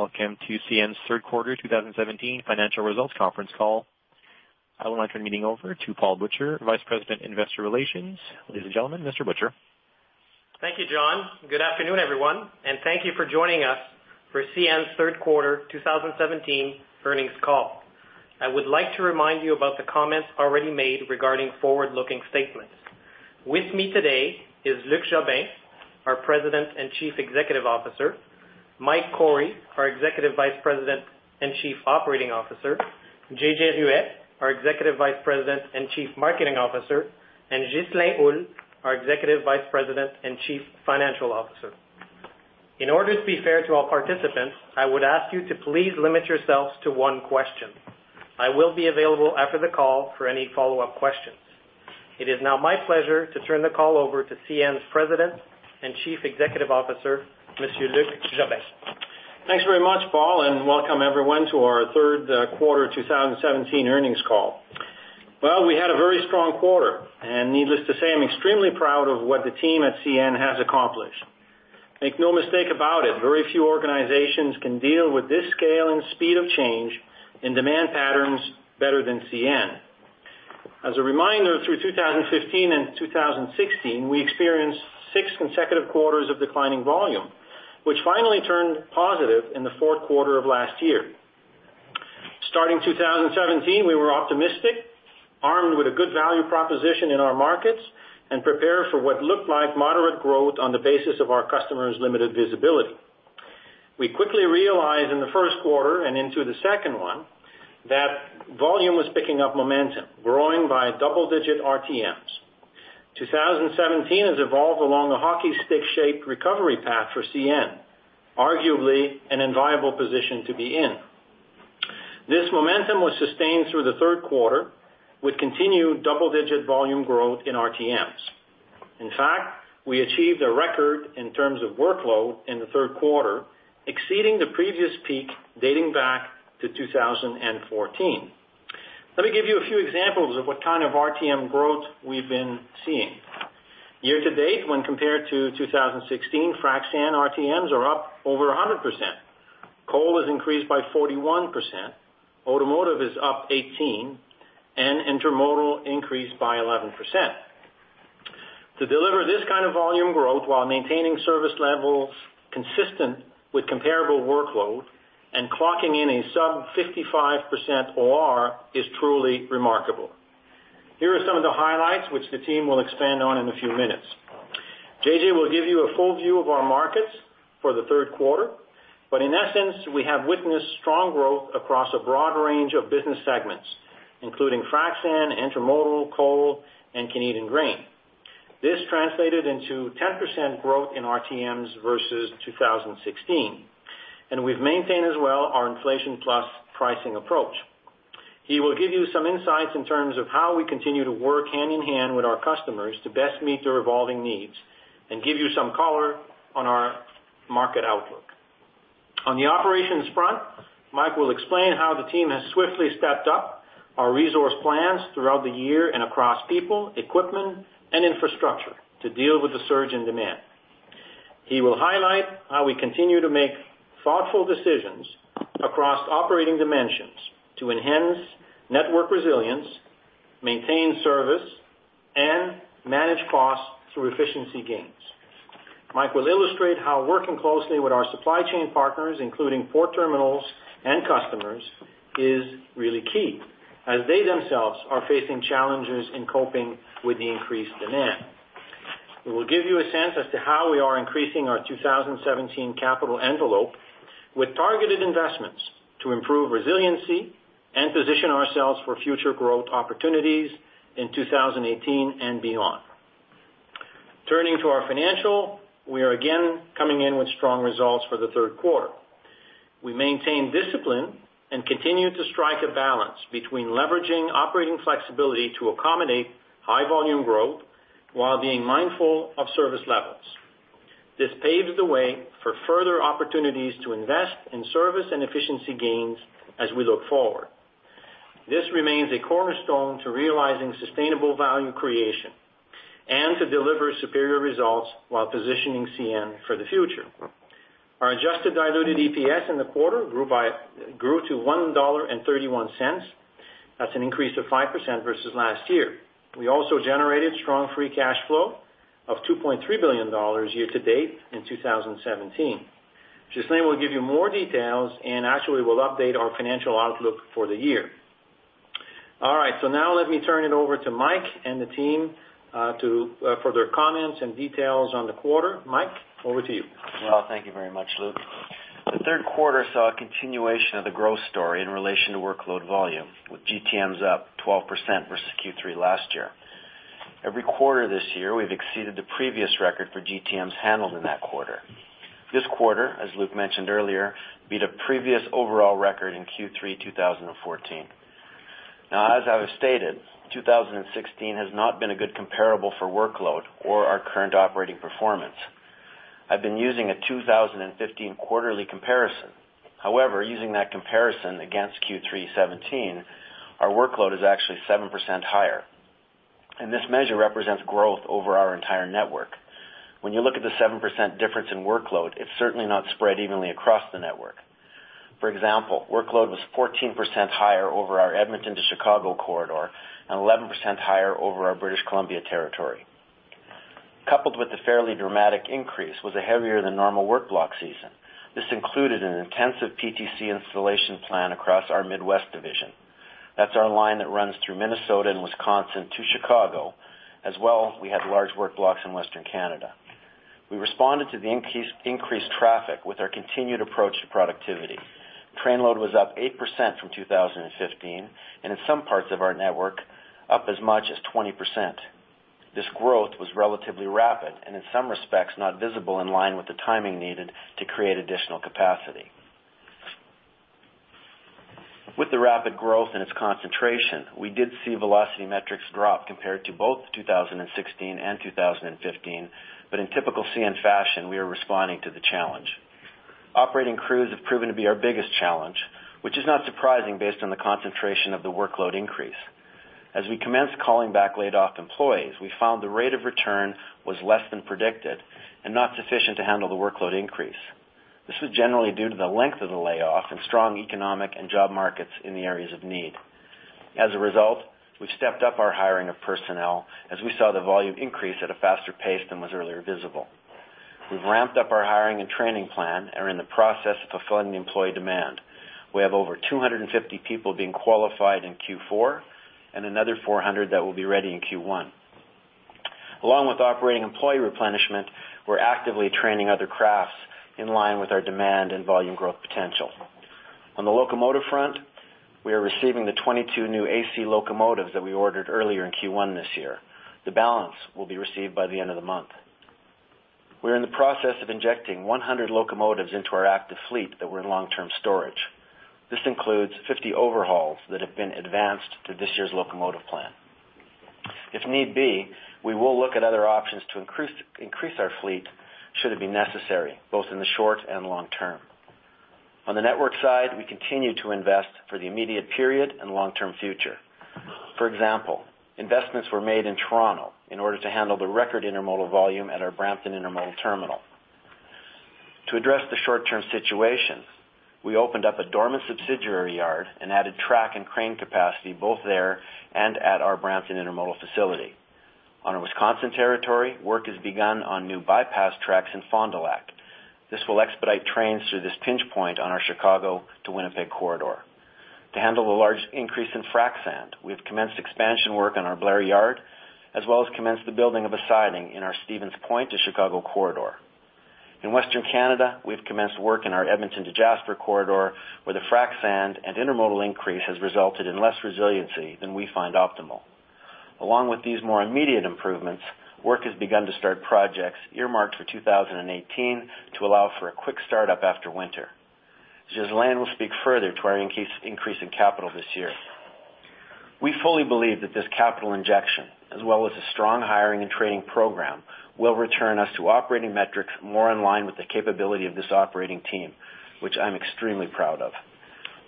Welcome to CN's third quarter, 2017, financial results conference call. I will now turn the meeting over to Paul Butcher, Vice President, Investor Relations. Ladies and gentlemen, Mr. Butcher. Thank you, John. Good afternoon, everyone, and thank you for joining us for CN's third quarter, 2017, earnings call. I would like to remind you about the comments already made regarding forward-looking statements. With me today is Luc Jobin, our President and Chief Executive Officer; Mike Cory, our Executive Vice President and Chief Operating Officer; J.J. Ruest, our Executive Vice President and Chief Marketing Officer; and Ghislain Houle, our Executive Vice President and Chief Financial Officer. In order to be fair to all participants, I would ask you to please limit yourselves to one question. I will be available after the call for any follow-up questions. It is now my pleasure to turn the call over to CN's President and Chief Executive Officer, Mr. Luc Jobin. Thanks very much, Paul, and welcome everyone to our third quarter, 2017, earnings call. Well, we had a very strong quarter, and needless to say, I'm extremely proud of what the team at CN has accomplished. Make no mistake about it, very few organizations can deal with this scale and speed of change in demand patterns better than CN. As a reminder, through 2015 and 2016, we experienced 6 consecutive quarters of declining volume, which finally turned positive in the fourth quarter of last year. Starting 2017, we were optimistic, armed with a good value proposition in our markets, and prepared for what looked like moderate growth on the basis of our customers' limited visibility. We quickly realized in the first quarter and into the second one that volume was picking up momentum, growing by double-digit RTMs. 2017 has evolved along a hockey stick-shaped recovery path for CN, arguably an enviable position to be in. This momentum was sustained through the third quarter with continued double-digit volume growth in RTMs. In fact, we achieved a record in terms of workload in the third quarter, exceeding the previous peak dating back to 2014. Let me give you a few examples of what kind of RTM growth we've been seeing. Year-to-date, when compared to 2016, frac sand RTMs are up over 100%. Coal has increased by 41%, automotive is up 18%, and intermodal increased by 11%. To deliver this kind of volume growth while maintaining service levels consistent with comparable workload and clocking in a sub-55% OR is truly remarkable. Here are some of the highlights, which the team will expand on in a few minutes. J.J. will give you a full view of our markets for the third quarter, but in essence, we have witnessed strong growth across a broad range of business segments, including frac sand, intermodal, coal, and Canadian grain. This translated into 10% growth in RTMs versus 2016, and we've maintained as well our inflation-plus pricing approach. He will give you some insights in terms of how we continue to work hand-in-hand with our customers to best meet their evolving needs and give you some color on our market outlook. On the operations front, Mike will explain how the team has swiftly stepped up our resource plans throughout the year and across people, equipment, and infrastructure to deal with the surge in demand. He will highlight how we continue to make thoughtful decisions across operating dimensions to enhance network resilience, maintain service, and manage costs through efficiency gains. Mike will illustrate how working closely with our supply chain partners, including port terminals and customers, is really key, as they themselves are facing challenges in coping with the increased demand. He will give you a sense as to how we are increasing our 2017 capital envelope with targeted investments to improve resiliency and position ourselves for future growth opportunities in 2018 and beyond. Turning to our financials, we are again coming in with strong results for the third quarter. We maintained discipline and continue to strike a balance between leveraging operating flexibility to accommodate high-volume growth while being mindful of service levels. This paves the way for further opportunities to invest in service and efficiency gains as we look forward. This remains a cornerstone to realizing sustainable value creation and to deliver superior results while positioning CN for the future. Our adjusted diluted EPS in the quarter grew to $1.31. That's an increase of 5% versus last year. We also generated strong free cash flow of $2.3 billion year to date in 2017. Ghislain will give you more details and actually will update our financial outlook for the year. All right, so now let me turn it over to Mike and the team for their comments and details on the quarter. Mike, over to you. Well, thank you very much, Luc. The third quarter saw a continuation of the growth story in relation to workload volume, with GTMs up 12% versus Q3 last year. Every quarter this year, we've exceeded the previous record for GTMs handled in that quarter. This quarter, as Luc mentioned earlier, beat a previous overall record in Q3 2014. Now, as I've stated, 2016 has not been a good comparable for workload or our current operating performance. I've been using a 2015 quarterly comparison. However, using that comparison against Q3 2017, our workload is actually 7% higher, and this measure represents growth over our entire network. When you look at the 7% difference in workload, it's certainly not spread evenly across the network. For example, workload was 14% higher over our Edmonton to Chicago corridor and 11% higher over our British Columbia territory. Coupled with the fairly dramatic increase was a heavier-than-normal work block season. This included an intensive PTC installation plan across our Midwest division. That's our line that runs through Minnesota and Wisconsin to Chicago, as well as we had large work blocks in Western Canada. We responded to the increased traffic with our continued approach to productivity. Train load was up 8% from 2015, and in some parts of our network, up as much as 20%. This growth was relatively rapid and, in some respects, not visible in line with the timing needed to create additional capacity. With the rapid growth and its concentration, we did see velocity metrics drop compared to both 2016 and 2015, but in typical CN fashion, we are responding to the challenge. Operating crews have proven to be our biggest challenge, which is not surprising based on the concentration of the workload increase. As we commenced calling back laid-off employees, we found the rate of return was less than predicted and not sufficient to handle the workload increase. This was generally due to the length of the layoff and strong economic and job markets in the areas of need. As a result, we've stepped up our hiring of personnel as we saw the volume increase at a faster pace than was earlier visible. We've ramped up our hiring and training plan and are in the process of fulfilling the employee demand. We have over 250 people being qualified in Q4 and another 400 that will be ready in Q1. Along with operating employee replenishment, we're actively training other crafts in line with our demand and volume growth potential. On the locomotive front, we are receiving the 22 new AC locomotives that we ordered earlier in Q1 this year. The balance will be received by the end of the month. We're in the process of injecting 100 locomotives into our active fleet that were in long-term storage. This includes 50 overhauls that have been advanced to this year's locomotive plan. If need be, we will look at other options to increase our fleet should it be necessary, both in the short and long term. On the network side, we continue to invest for the immediate period and long-term future. For example, investments were made in Toronto in order to handle the record intermodal volume at our Brampton Intermodal Terminal. To address the short-term situation, we opened up a dormant subsidiary yard and added track and crane capacity both there and at our Brampton Intermodal facility. On our Wisconsin territory, work has begun on new bypass tracks in Fond du Lac. This will expedite trains through this pinch point on our Chicago to Winnipeg corridor. To handle the large increase in frac sand, we've commenced expansion work on our Blair Yard, as well as commenced the building of a siding in our Stevens Point to Chicago corridor. In Western Canada, we've commenced work in our Edmonton to Jasper corridor, where the frac sand and intermodal increase has resulted in less resiliency than we find optimal. Along with these more immediate improvements, work has begun to start projects earmarked for 2018 to allow for a quick start-up after winter. Ghislain will speak further to our increase in capital this year. We fully believe that this capital injection, as well as a strong hiring and training program, will return us to operating metrics more in line with the capability of this operating team, which I'm extremely proud of.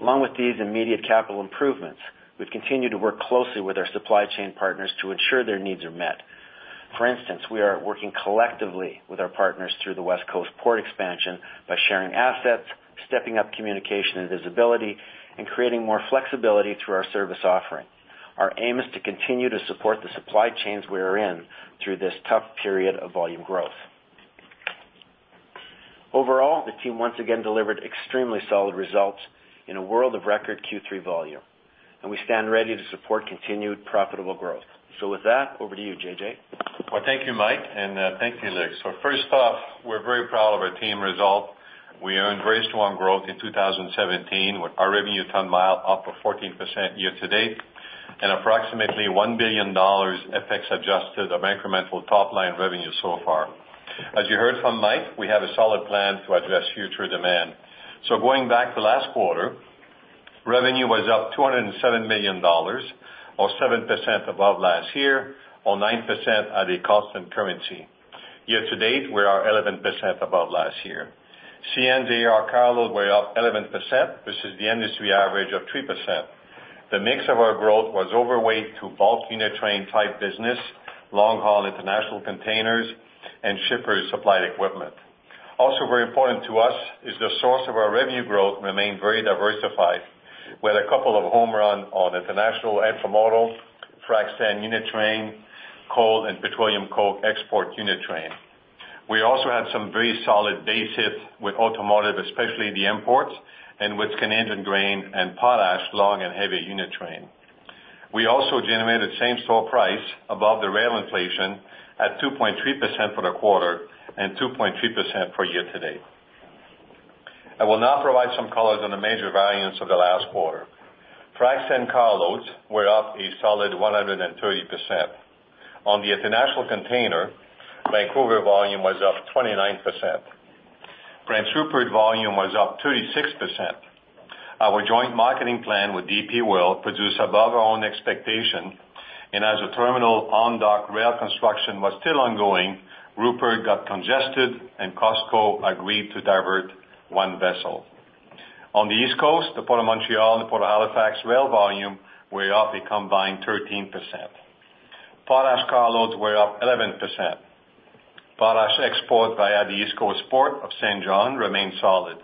Along with these immediate capital improvements, we've continued to work closely with our supply chain partners to ensure their needs are met. For instance, we are working collectively with our partners through the West Coast port expansion by sharing assets, stepping up communication and visibility, and creating more flexibility through our service offering. Our aim is to continue to support the supply chains we are in through this tough period of volume growth. Overall, the team once again delivered extremely solid results in a world of record Q3 volume, and we stand ready to support continued profitable growth. With that, over to you, J.J. Well, thank you, Mike, and thank you, Luc. So first off, we're very proud of our team result. We earned very strong growth in 2017 with our revenue ton-miles up 14% year to date and approximately $1 billion FX-adjusted of incremental top-line revenue so far. As you heard from Mike, we have a solid plan to address future demand. So going back to last quarter, revenue was up $207 million, or 7% above last year, or 9% at a constant currency. Year-to-date, we're up 11% above last year. CN's actual carloads were up 11% versus the industry average of 3%. The mix of our growth was overweight to bulk unit train type business, long-haul international containers, and shipper-supplied equipment. Also, very important to us is the source of our revenue growth remained very diversified, with a couple of home runs on international intermodal, frac sand unit train, coal, and petroleum coke export unit train. We also had some very solid base hit with automotive, especially the imports, and with Canadian grain and potash long and heavy unit train. We also generated same-store price above the rail inflation at 2.3% for the quarter and 2.3% for the year-to-date. I will now provide some colors on the major variants of the last quarter. Frac sand carloads were up a solid 130%. On the international container, Vancouver volume was up 29%. Prince Rupert volume was up 36%. Our joint marketing plan with DP World produced above our own expectation, and as the terminal on-dock rail construction was still ongoing, Rupert got congested and COSCO agreed to divert one vessel. On the East Coast, the Port of Montréal and the Port of Halifax rail volume were up a combined 13%. Potash carloads were up 11%. Potash export via the East Coast Port of Saint John remained solid.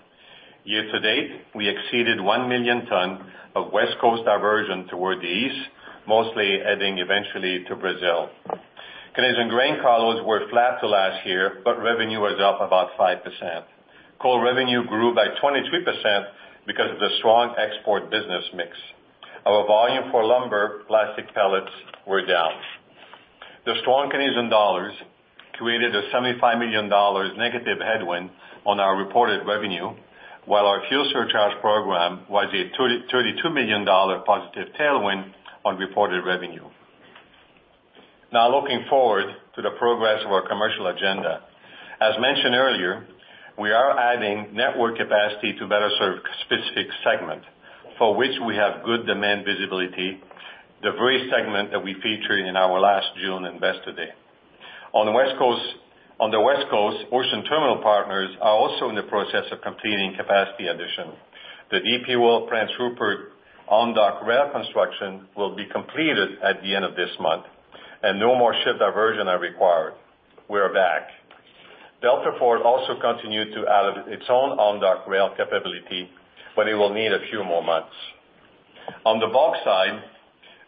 Year-to-date, we exceeded 1 million tons of West Coast diversion toward the east, mostly heading eventually to Brazil. Canadian grain carloads were flat to last year, but revenue was up about 5%. Coal revenue grew by 23% because of the strong export business mix. Our volume for lumber plastic pellets were down. The strong Canadian dollar created a $75 million negative headwind on our reported revenue, while our fuel surcharge program was a $32 million positive tailwind on reported revenue. Now, looking forward to the progress of our commercial agenda. As mentioned earlier, we are adding network capacity to better serve specific segments, for which we have good demand visibility, the very segment that we featured in our last June Investor Day. On the West Coast, Ocean Terminal Partners are also in the process of completing capacity addition. The DP World Prince Rupert on-dock rail construction will be completed at the end of this month, and no more ship diversions are required. We're back. DP World also continued to add its own on-dock rail capability, but it will need a few more months. On the bulk side,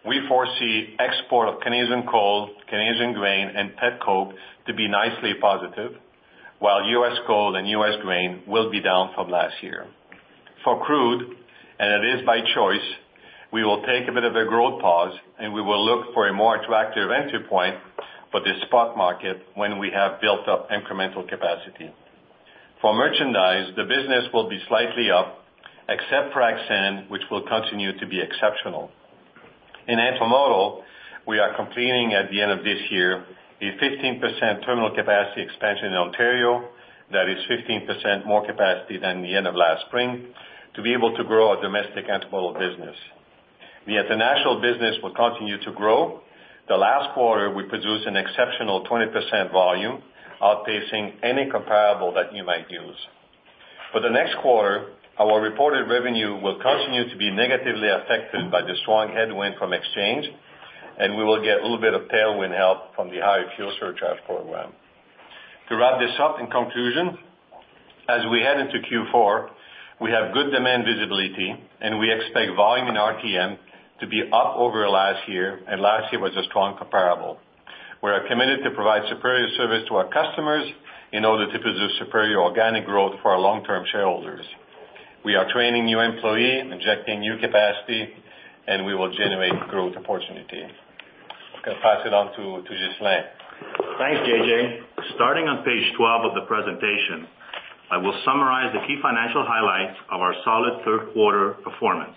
we foresee export of Canadian coal, Canadian grain, and pet coke to be nicely positive, while U.S. coal and U.S. grain will be down from last year. For crude, and it is by choice, we will take a bit of a growth pause, and we will look for a more attractive entry point for this spot market when we have built up incremental capacity. For merchandise, the business will be slightly up, except frac sand, which will continue to be exceptional. In intermodal, we are completing at the end of this year a 15% terminal capacity expansion in Ontario. That is 15% more capacity than the end of last spring to be able to grow our domestic intermodal business. The international business will continue to grow. The last quarter, we produced an exceptional 20% volume, outpacing any comparable that you might use. For the next quarter, our reported revenue will continue to be negatively affected by the strong headwind from exchange, and we will get a little bit of tailwind help from the higher fuel surcharge program. To wrap this up, in conclusion, as we head into Q4, we have good demand visibility, and we expect volume in RTM to be up over last year, and last year was a strong comparable. We are committed to provide superior service to our customers in order to produce superior organic growth for our long-term shareholders. We are training new employees, injecting new capacity, and we will generate growth opportunity. I'm going to pass it on to Ghislain. Thanks, J.J. Starting on page 12 of the presentation, I will summarize the key financial highlights of our solid third quarter performance.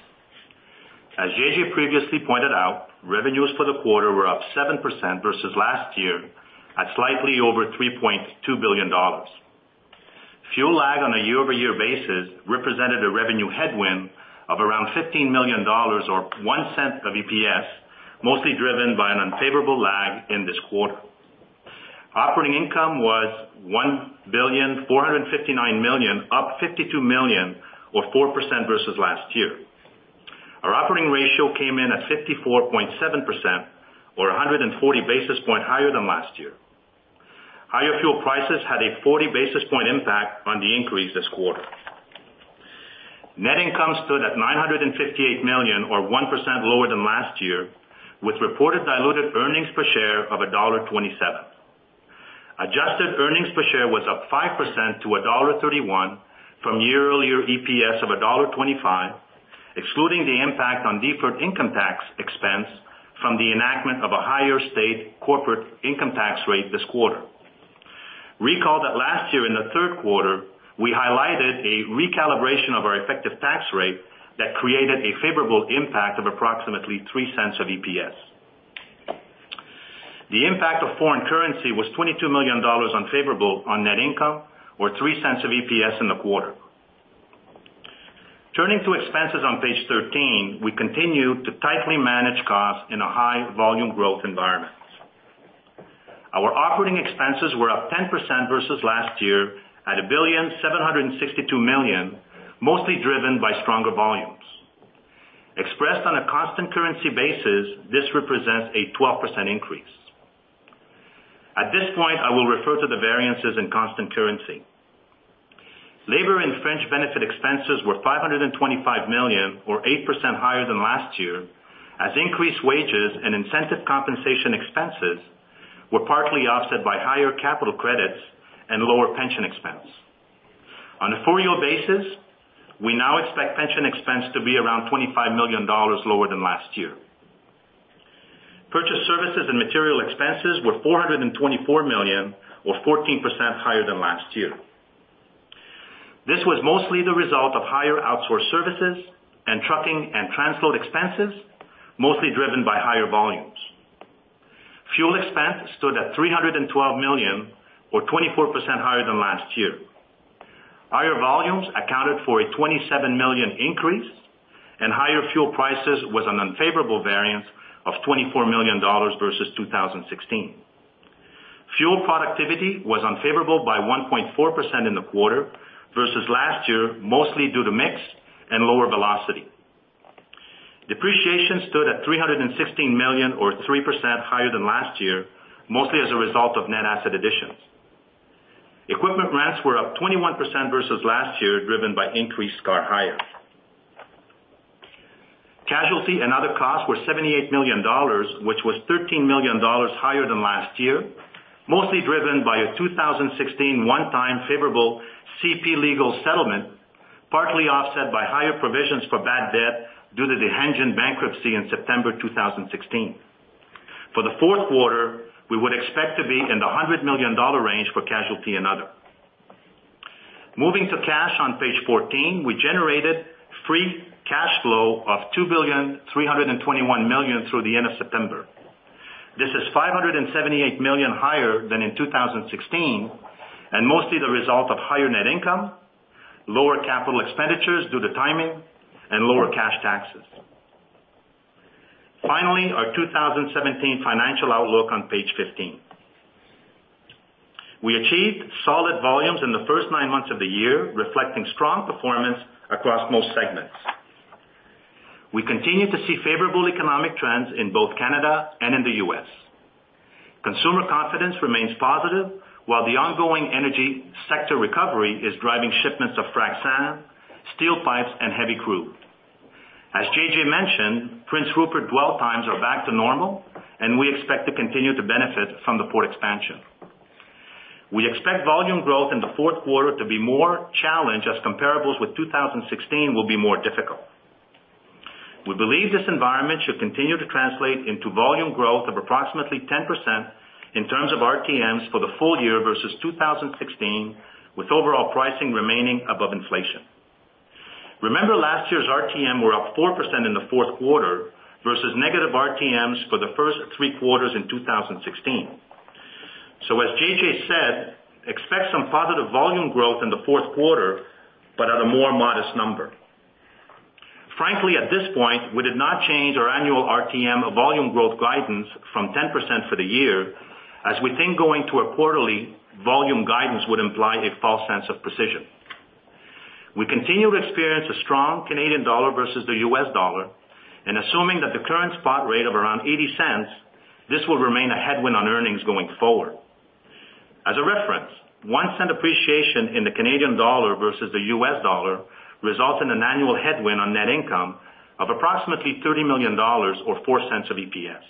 As J.J. previously pointed out, revenues for the quarter were up 7% versus last year at slightly over $3.2 billion. Fuel lag on a year-over-year basis represented a revenue headwind of around $15 million, or $0.01 of EPS, mostly driven by an unfavorable lag in this quarter. Operating income was $1,459 million, up $52 million, or 4% versus last year. Our operating ratio came in at 54.7%, or 140 basis points higher than last year. Higher fuel prices had a 40 basis point impact on the increase this quarter. Net income stood at $958 million, or 1% lower than last year, with reported diluted earnings per share of $1.27. Adjusted earnings per share was up 5% to $1.31 from year-over-year EPS of $1.25, excluding the impact on deferred income tax expense from the enactment of a higher state corporate income tax rate this quarter. Recall that last year, in the third quarter, we highlighted a recalibration of our effective tax rate that created a favorable impact of approximately $0.03 of EPS. The impact of foreign currency was $22 million unfavorable on net income, or $0.03 of EPS in the quarter. Turning to expenses on page 13, we continue to tightly manage costs in a high-volume growth environment. Our operating expenses were up 10% versus last year at $1,762 million, mostly driven by stronger volumes. Expressed on a constant currency basis, this represents a 12% increase. At this point, I will refer to the variances in constant currency. Labor and fringe benefit expenses were $525 million, or 8% higher than last year, as increased wages and incentive compensation expenses were partly offset by higher capital credits and lower pension expense. On a year-over-year basis, we now expect pension expense to be around $25 million lower than last year. Purchased services and material expenses were $424 million, or 14% higher than last year. This was mostly the result of higher outsourced services and trucking and transload expenses, mostly driven by higher volumes. Fuel expense stood at $312 million, or 24% higher than last year. Higher volumes accounted for a $27 million increase, and higher fuel prices was an unfavorable variance of $24 million versus 2016. Fuel productivity was unfavorable by 1.4% in the quarter versus last year, mostly due to the mix and lower velocity. Depreciation stood at $316 million, or 3% higher than last year, mostly as a result of net asset additions. Equipment rents were up 21% versus last year, driven by increased scarce hire. Casualty and other costs were $78 million, which was $13 million higher than last year, mostly driven by a 2016 one-time favorable CP legal settlement, partly offset by higher provisions for bad debt due to the Hanjin bankruptcy in September 2016. For the fourth quarter, we would expect to be in the $100 million range for casualty and other. Moving to cash on page 14, we generated free cash flow of $2,321 million through the end of September. This is $578 million higher than in 2016, and mostly the result of higher net income, lower capital expenditures due to timing, and lower cash taxes. Finally, our 2017 financial outlook is on page 15. We achieved solid volumes in the first nine months of the year, reflecting strong performance across most segments. We continue to see favorable economic trends in both Canada and in the U.S. Consumer confidence remains positive, while the ongoing energy sector recovery is driving shipments of frac sand, steel pipes, and heavy crude. As J.J. mentioned, Prince Rupert dwell times are back to normal, and we expect to continue to benefit from the port expansion. We expect volume growth in the fourth quarter to be more challenged as comparables with 2016 will be more difficult. We believe this environment should continue to translate into volume growth of approximately 10% in terms of RTMs for the full year versus 2016, with overall pricing remaining above inflation. Remember, last year's RTM were up 4% in the fourth quarter versus negative RTMs for the first three quarters in 2016. So, as J.J. said, expect some positive volume growth in the fourth quarter, but at a more modest number. Frankly, at this point, we did not change our annual RTM volume growth guidance from 10% for the year, as we think going to a quarterly volume guidance would imply a false sense of precision. We continue to experience a strong Canadian dollar versus the U.S. dollar, and assuming that the current spot rate of around 0.80, this will remain a headwind on earnings going forward. As a reference, one cent appreciation in the Canadian dollar versus the U.S. dollar results in an annual headwind on net income of approximately $30 million, or $0.04 of EPS.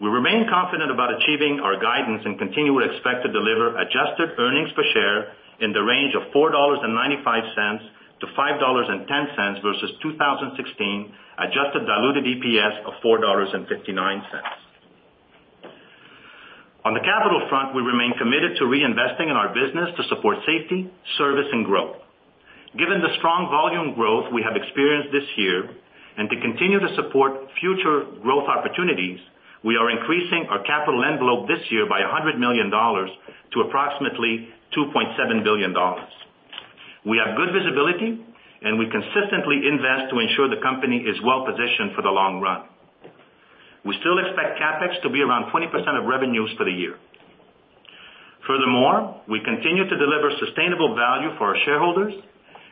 We remain confident about achieving our guidance and continue to expect to deliver adjusted earnings per share in the range of $4.95-$5.10 versus 2016 adjusted diluted EPS of $4.59. On the capital front, we remain committed to reinvesting in our business to support safety, service, and growth. Given the strong volume growth we have experienced this year, and to continue to support future growth opportunities, we are increasing our capital envelope this year by $100 million to approximately $2.7 billion. We have good visibility, and we consistently invest to ensure the company is well positioned for the long run. We still expect CapEx to be around 20% of revenues for the year. Furthermore, we continue to deliver sustainable value for our shareholders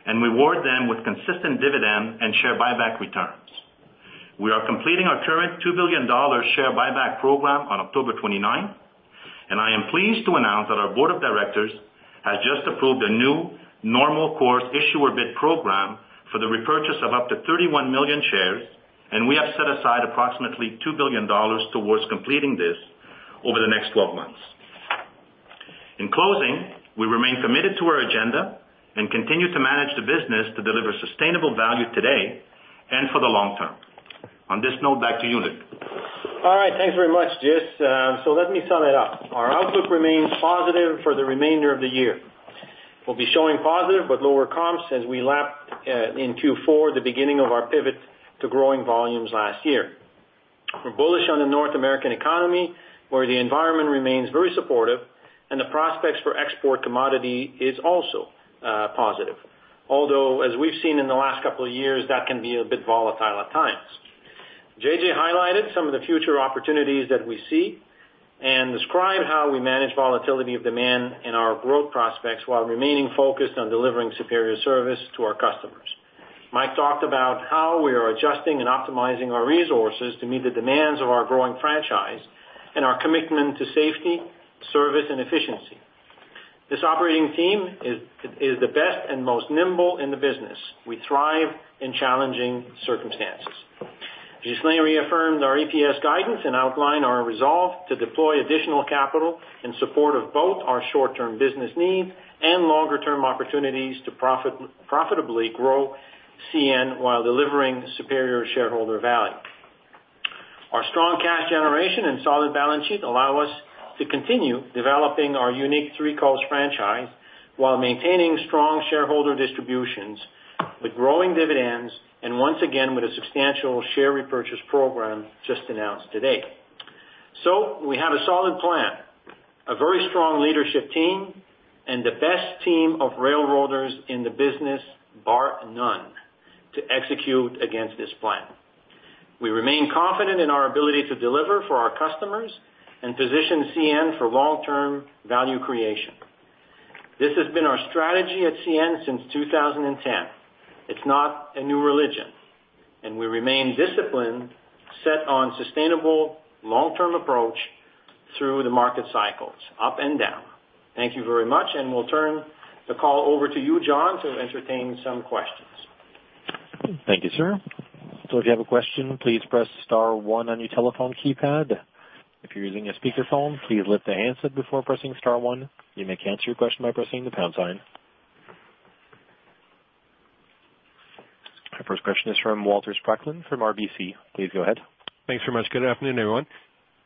and reward them with consistent dividend and share buyback returns. We are completing our current $2 billion share buyback program on October 29, and I am pleased to announce that our board of directors has just approved a new normal course issuer bid program for the repurchase of up to 31 million shares, and we have set aside approximately $2 billion towards completing this over the next 12 months. In closing, we remain committed to our agenda and continue to manage the business to deliver sustainable value today and for the long term. On this note, back to you, Luc. All right. Thanks very much, J.J. Let me sum it up. Our outlook remains positive for the remainder of the year. We'll be showing positive but lower comps as we lap in Q4 the beginning of our pivot to growing volumes last year. We're bullish on the North American economy, where the environment remains very supportive, and the prospects for export commodity is also positive, although, as we've seen in the last couple of years, that can be a bit volatile at times. J.J. highlighted some of the future opportunities that we see and described how we manage volatility of demand in our growth prospects while remaining focused on delivering superior service to our customers. Mike talked about how we are adjusting and optimizing our resources to meet the demands of our growing franchise and our commitment to safety, service, and efficiency. This operating team is the best and most nimble in the business. We thrive in challenging circumstances. Ghislain reaffirmed our EPS guidance and outlined our resolve to deploy additional capital in support of both our short-term business needs and longer-term opportunities to profitably grow CN while delivering superior shareholder value. Our strong cash generation and solid balance sheet allow us to continue developing our unique three-cost franchise while maintaining strong shareholder distributions with growing dividends and once again with a substantial share repurchase program just announced today. So we have a solid plan, a very strong leadership team, and the best team of railroaders in the business, bar none, to execute against this plan. We remain confident in our ability to deliver for our customers and position CN for long-term value creation. This has been our strategy at CN since 2010. It's not a new religion, and we remain disciplined, set on a sustainable long-term approach through the market cycles, up and down. Thank you very much, and we'll turn the call over to you, John, to entertain some questions. Thank you, sir. So if you have a question, please press star one on your telephone keypad. If you're using a speakerphone, please lift the handset before pressing star one. You may cancel your question by pressing the pound sign. Our first question is from Walter Spracklin from RBC. Please go ahead. Thanks very much. Good afternoon, everyone.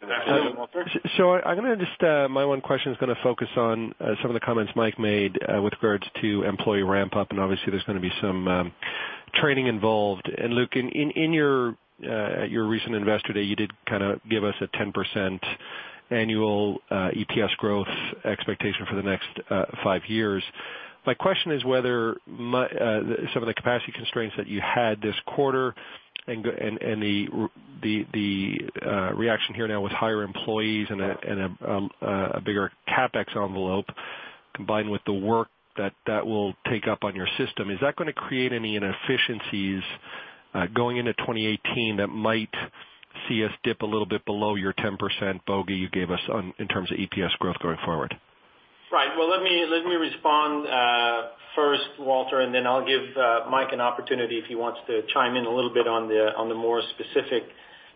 Good afternoon, Walter. So I'm going to just my one question is going to focus on some of the comments Mike made with regards to employee ramp-up, and obviously, there's going to be some training involved. And Luc, in your recent Investor Day, you did kind of give us a 10% annual EPS growth expectation for the next five years. My question is whether some of the capacity constraints that you had this quarter and the reaction here now with higher employees and a bigger CapEx envelope combined with the work that that will take up on your system, is that going to create any inefficiencies going into 2018 that might see us dip a little bit below your 10% bogey you gave us in terms of EPS growth going forward? Right. Well, let me respond first, Walter, and then I'll give Mike an opportunity if he wants to chime in a little bit on the more specific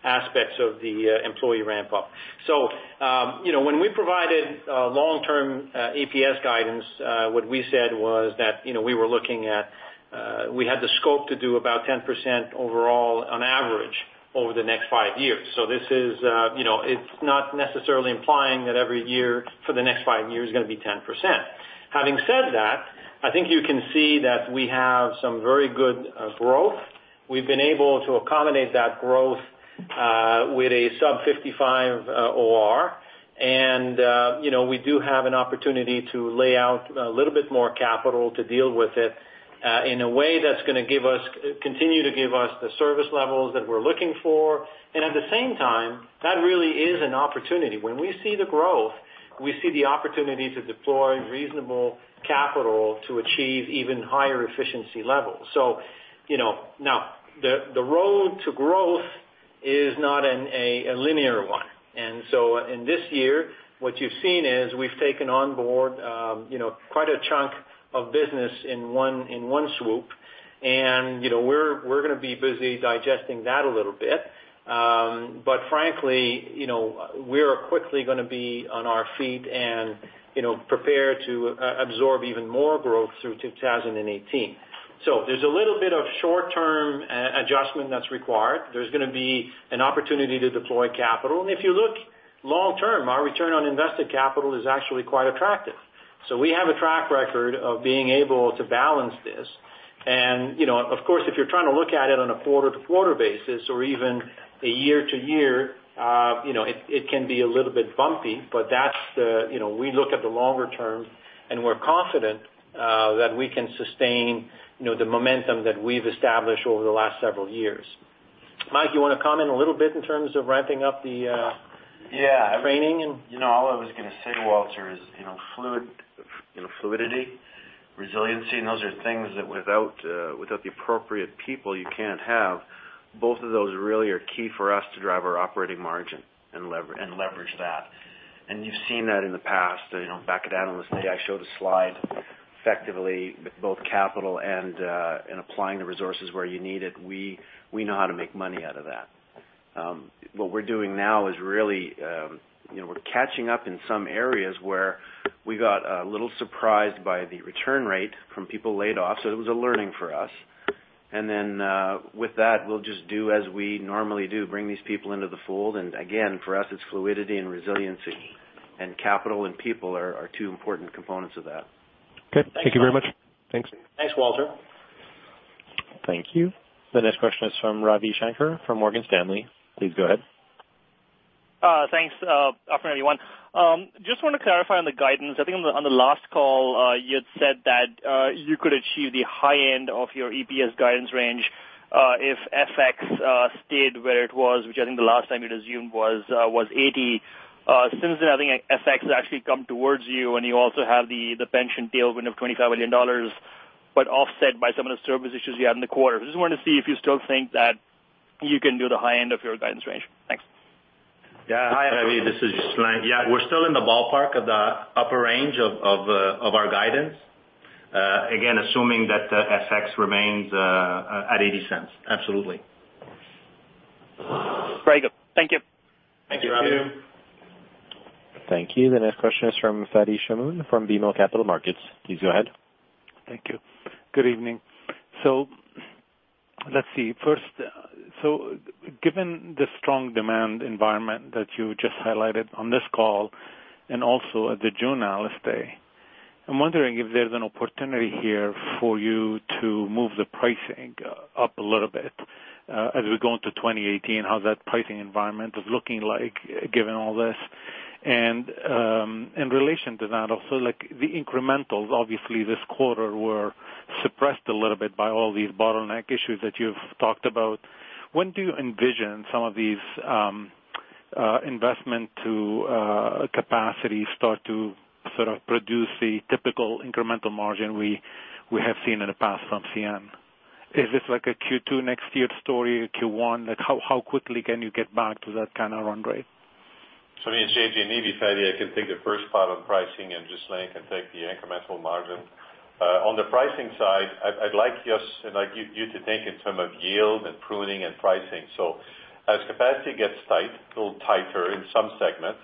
aspects of the employee ramp-up. So when we provided long-term EPS guidance, what we said was that we were looking at we had the scope to do about 10% overall on average over the next five years. So it's not necessarily implying that every year for the next five years is going to be 10%. Having said that, I think you can see that we have some very good growth. We've been able to accommodate that growth with a sub-55 OR, and we do have an opportunity to lay out a little bit more capital to deal with it in a way that's going to continue to give us the service levels that we're looking for. At the same time, that really is an opportunity. When we see the growth, we see the opportunity to deploy reasonable capital to achieve even higher efficiency levels. So now, the road to growth is not a linear one. In this year, what you've seen is we've taken on board quite a chunk of business in one swoop, and we're going to be busy digesting that a little bit. Frankly, we're quickly going to be on our feet and prepared to absorb even more growth through 2018. So there's a little bit of short-term adjustment that's required. There's going to be an opportunity to deploy capital. If you look long-term, our return on invested capital is actually quite attractive. We have a track record of being able to balance this. Of course, if you're trying to look at it on a quarter-to-quarter basis or even a year-to-year, it can be a little bit bumpy, but we look at the longer term, and we're confident that we can sustain the momentum that we've established over the last several years. Mike, you want to comment a little bit in terms of ramping up the training? Yeah. I was going to say, Walter, fluidity, resiliency, and those are things that without the appropriate people you can't have. Both of those really are key for us to drive our operating margin and leverage that. You've seen that in the past. Back at Analyst Day, I showed a slide. Effectively, with both capital and in applying the resources where you need it, we know how to make money out of that. What we're doing now is really we're catching up in some areas where we got a little surprised by the recall rate from people laid off, so it was a learning for us. Then with that, we'll just do as we normally do, bring these people into the fold. Again, for us, it's fluidity and resiliency and capital and people are two important components of that. Okay. Thank you very much. Thanks. Thanks, Walter. Thank you. The next question is from Ravi Shanker from Morgan Stanley. Please go ahead. Thanks, everyone. Just want to clarify on the guidance. I think on the last call, you had said that you could achieve the high end of your EPS guidance range if FX stayed where it was, which I think the last time you'd assumed was 80. Since then, I think FX has actually come towards you, and you also have the pension tailwind of $25 million but offset by some of the service issues you had in the quarter. I just wanted to see if you still think that you can do the high end of your guidance range. Thanks. Yeah. Hi, Ravi. This is Ghislain. Yeah, we're still in the ballpark of the upper range of our guidance, again, assuming that FX remains at 80 cents. Absolutely. Very good. Thank you. Thank you, Ravi. Thank you. The next question is from Fadi Chamoun from BMO Capital Markets. Please go ahead. Thank you. Good evening. So let's see. First, so given the strong demand environment that you just highlighted on this call and also at the June Analyst Day, I'm wondering if there's an opportunity here for you to move the pricing up a little bit as we go into 2018, how that pricing environment is looking like given all this. And in relation to that, also the incrementals, obviously, this quarter were suppressed a little bit by all these bottleneck issues that you've talked about. When do you envision some of these investments in capacity start to sort of produce the typical incremental margin we have seen in the past from CN? Is this like a Q2 next year story, Q1? How quickly can you get back to that kind of run rate? So I mean, it's J.J. Ruest said he can take the first part on pricing, and Ghislain can take the incremental margin. On the pricing side, I'd like just you to think in terms of yield and pruning and pricing. So as capacity gets tight, a little tighter in some segments,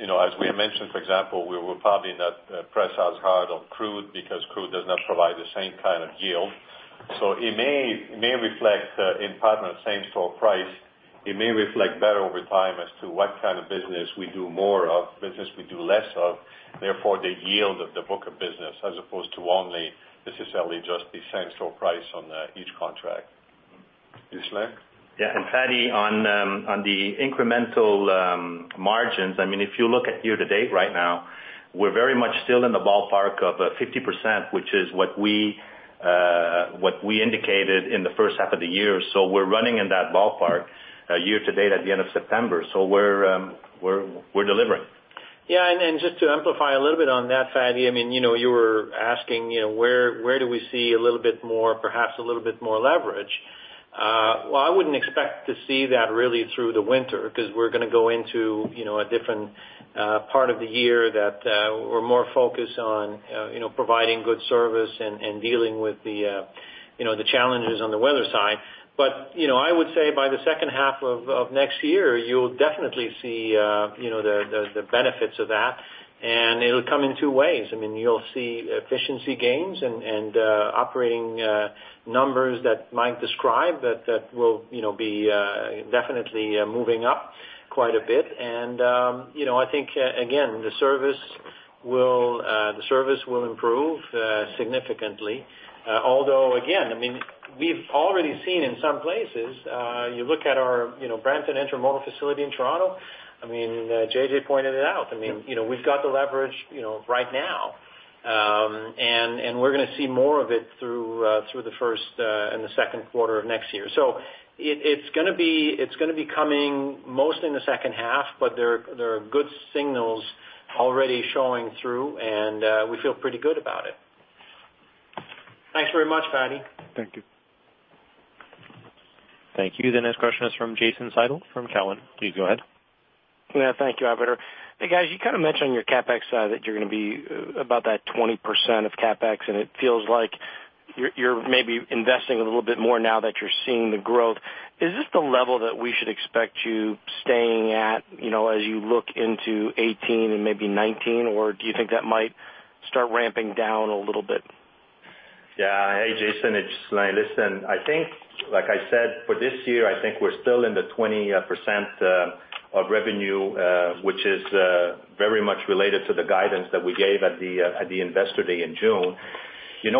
as we have mentioned, for example, we will probably not press as hard on crude because crude does not provide the same kind of yield. So it may reflect in partner's same-store price. It may reflect better over time as to what kind of business we do more of, business we do less of, therefore the yield of the book of business as opposed to only necessarily just the same-store price on each contract. Ghislain? Yeah. And Fadi, on the incremental margins, I mean, if you look at year-to-date right now, we're very much still in the ballpark of 50%, which is what we indicated in the first half of the year. So we're running in that ballpark year-to-date at the end of September. So we're delivering. Yeah. And just to amplify a little bit on that, Fadi, I mean, you were asking where do we see a little bit more, perhaps a little bit more leverage. Well, I wouldn't expect to see that really through the winter because we're going to go into a different part of the year that we're more focused on providing good service and dealing with the challenges on the weather side. But I would say by the second half of next year, you'll definitely see the benefits of that, and it'll come in two ways. I mean, you'll see efficiency gains and operating numbers that Mike described that will be definitely moving up quite a bit. And I think, again, the service will improve significantly. Although, again, I mean, we've already seen in some places, you look at our Brampton Intermodal Facility in Toronto, I mean, J.J. pointed it out. I mean, we've got the leverage right now, and we're going to see more of it through the first and the second quarter of next year. So it's going to be coming mostly in the second half, but there are good signals already showing through, and we feel pretty good about it. Thanks very much, Fadi. Thank you. Thank you. The next question is from Jason Seidl from Cowen. Please go ahead. Yeah. Thank you, Operator. Hey, guys, you kind of mentioned on your CapEx side that you're going to be about that 20% of CapEx, and it feels like you're maybe investing a little bit more now that you're seeing the growth. Is this the level that we should expect you staying at as you look into 2018 and maybe 2019, or do you think that might start ramping down a little bit? Yeah. Hey, Jason, it's Ghislain. Listen, I think, like I said, for this year, I think we're still in the 20% of revenue, which is very much related to the guidance that we gave at the Investor Day in June.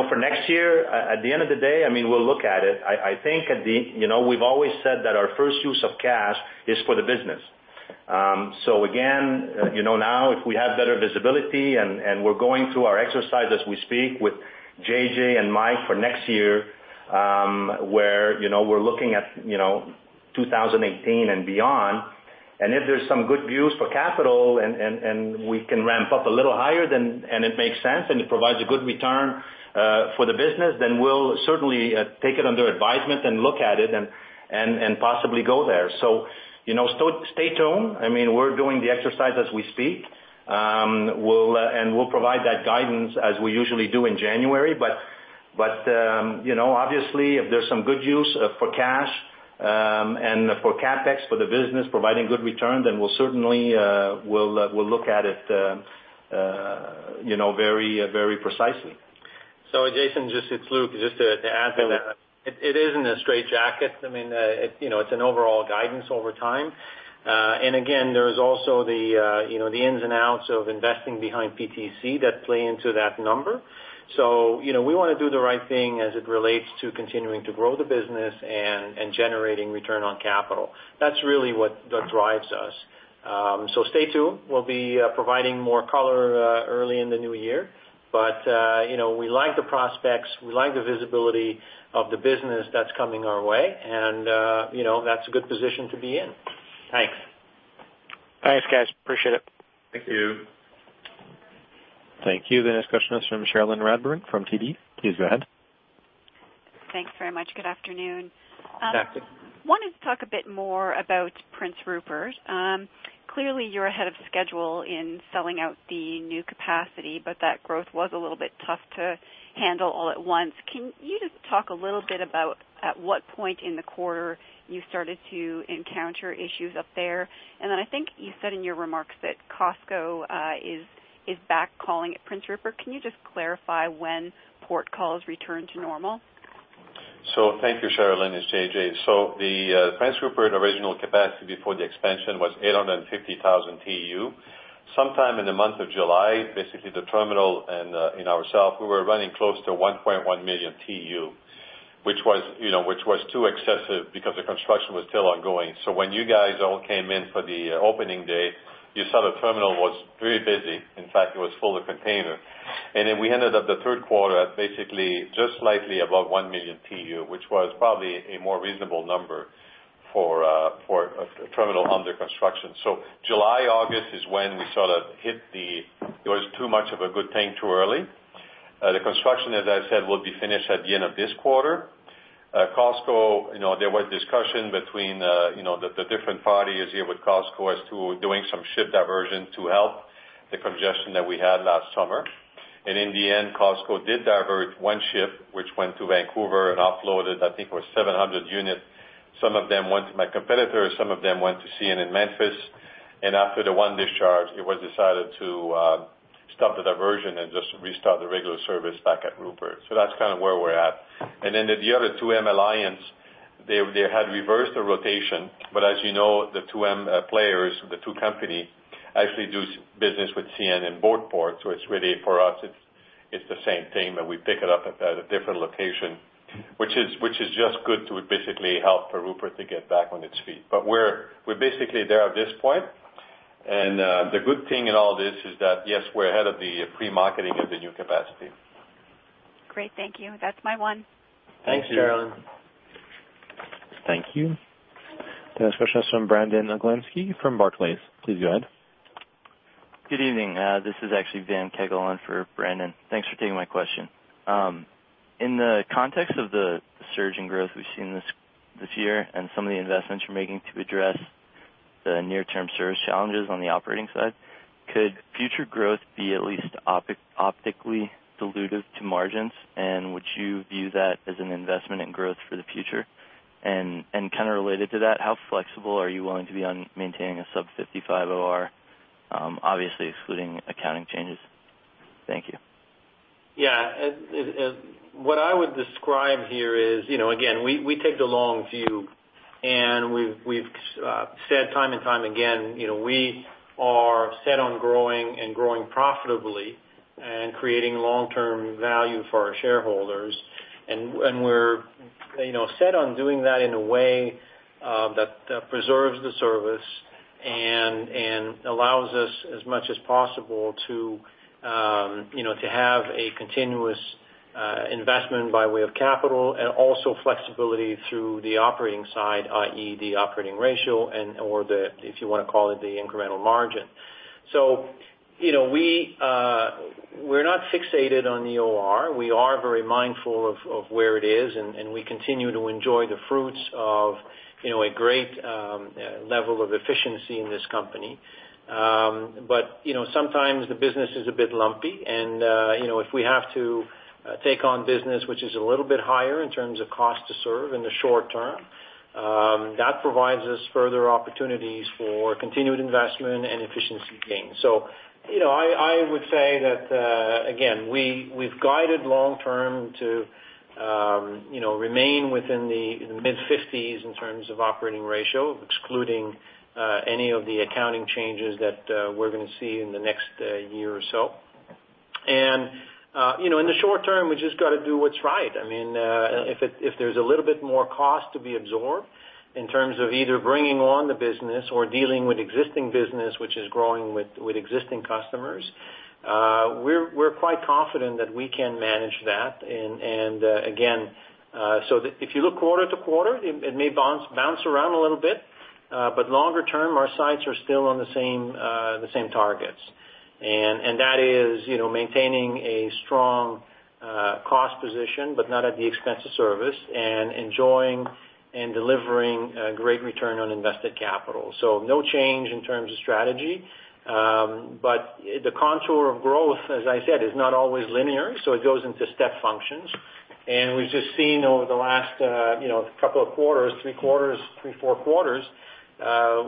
For next year, at the end of the day, I mean, we'll look at it. I think we've always said that our first use of cash is for the business. So again, now if we have better visibility and we're going through our exercise as we speak with J.J. and Mike for next year where we're looking at 2018 and beyond, and if there's some good views for capital and we can ramp up a little higher and it makes sense and it provides a good return for the business, then we'll certainly take it under advisement and look at it and possibly go there. So stay tuned. I mean, we're doing the exercise as we speak, and we'll provide that guidance as we usually do in January. But obviously, if there's some good use for cash and for CapEx for the business providing good return, then we'll certainly look at it very precisely. So Jason, just it's Luc, just to add to that, it isn't a straitjacket. I mean, it's an overall guidance over time. And again, there's also the ins and outs of investing behind PTC that play into that number. So we want to do the right thing as it relates to continuing to grow the business and generating return on capital. That's really what drives us. So stay tuned. We'll be providing more color early in the new year, but we like the prospects. We like the visibility of the business that's coming our way, and that's a good position to be in. Thanks. Thanks, guys. Appreciate it. Thank you. Thank you. The next question is from Cherilyn Radbourne from TD. Please go ahead. Thanks very much. Good afternoon. Good afternoon. Wanted to talk a bit more about Prince Rupert. Clearly, you're ahead of schedule in selling out the new capacity, but that growth was a little bit tough to handle all at once. Can you just talk a little bit about at what point in the quarter you started to encounter issues up there? And then I think you said in your remarks that COSCO is back calling at Prince Rupert. Can you just clarify when port calls returned to normal? So thank you, Cherilyn, it's J.J. So the Prince Rupert original capacity before the expansion was 850,000 TEU. Sometime in the month of July, basically the terminal and ourselves, we were running close to 1.1 million TEU, which was too excessive because the construction was still ongoing. So when you guys all came in for the opening day, you saw the terminal was very busy. In fact, it was full of containers. And then we ended up the third quarter at basically just slightly above 1 million TEU, which was probably a more reasonable number for a terminal under construction. So July, August is when we sort of hit the it was too much of a good thing too early. The construction, as I said, will be finished at the end of this quarter. COSCO, there was discussion between the different parties here with COSCO as to doing some ship diversion to help the congestion that we had last summer. In the end, COSCO did divert one ship, which went to Vancouver and offloaded, I think it was 700 units. Some of them went to my competitors. Some of them went to CN Memphis. After the one discharge, it was decided to stop the diversion and just restart the regular service back at Rupert. So that's kind of where we're at. Then the other 2M Alliance, they had reversed the rotation, but as you know, the 2M players, the two companies actually do business with CN and the port. So it's really for us, it's the same thing, but we pick it up at a different location, which is just good to basically help Rupert to get back on its feet. We're basically there at this point. The good thing in all this is that, yes, we're ahead of the pre-marketing of the new capacity. Great. Thank you. That's my one. Thanks, Cherilyn. Thank you. The next question is from Brandon Oglenski from Barclays. Please go ahead. Good evening. This is actually Van Kegel on for Brandon. Thanks for taking my question. In the context of the surge in growth we've seen this year and some of the investments you're making to address the near-term service challenges on the operating side, could future growth be at least optically dilutive to margins? And would you view that as an investment in growth for the future? And kind of related to that, how flexible are you willing to be on maintaining a sub-55 OR, obviously excluding accounting changes? Thank you. Yeah. What I would describe here is, again, we take the long view, and we've said time and time again, we are set on growing and growing profitably and creating long-term value for our shareholders. We're set on doing that in a way that preserves the service and allows us as much as possible to have a continuous investment by way of capital and also flexibility through the operating side, i.e., the operating ratio and/or the, if you want to call it, the incremental margin. We're not fixated on the OR. We are very mindful of where it is, and we continue to enjoy the fruits of a great level of efficiency in this company. But sometimes the business is a bit lumpy, and if we have to take on business, which is a little bit higher in terms of cost to serve in the short term, that provides us further opportunities for continued investment and efficiency gains. So I would say that, again, we've guided long-term to remain within the mid-50s in terms of operating ratio, excluding any of the accounting changes that we're going to see in the next year or so. And in the short term, we just got to do what's right. I mean, if there's a little bit more cost to be absorbed in terms of either bringing on the business or dealing with existing business, which is growing with existing customers, we're quite confident that we can manage that. Again, so if you look quarter to quarter, it may bounce around a little bit, but longer term, our sights are still on the same targets. That is maintaining a strong cost position, but not at the expense of service, and enjoying and delivering a great return on invested capital. No change in terms of strategy, but the contour of growth, as I said, is not always linear, so it goes into step functions. We've just seen over the last couple of quarters, three quarters, three, four quarters,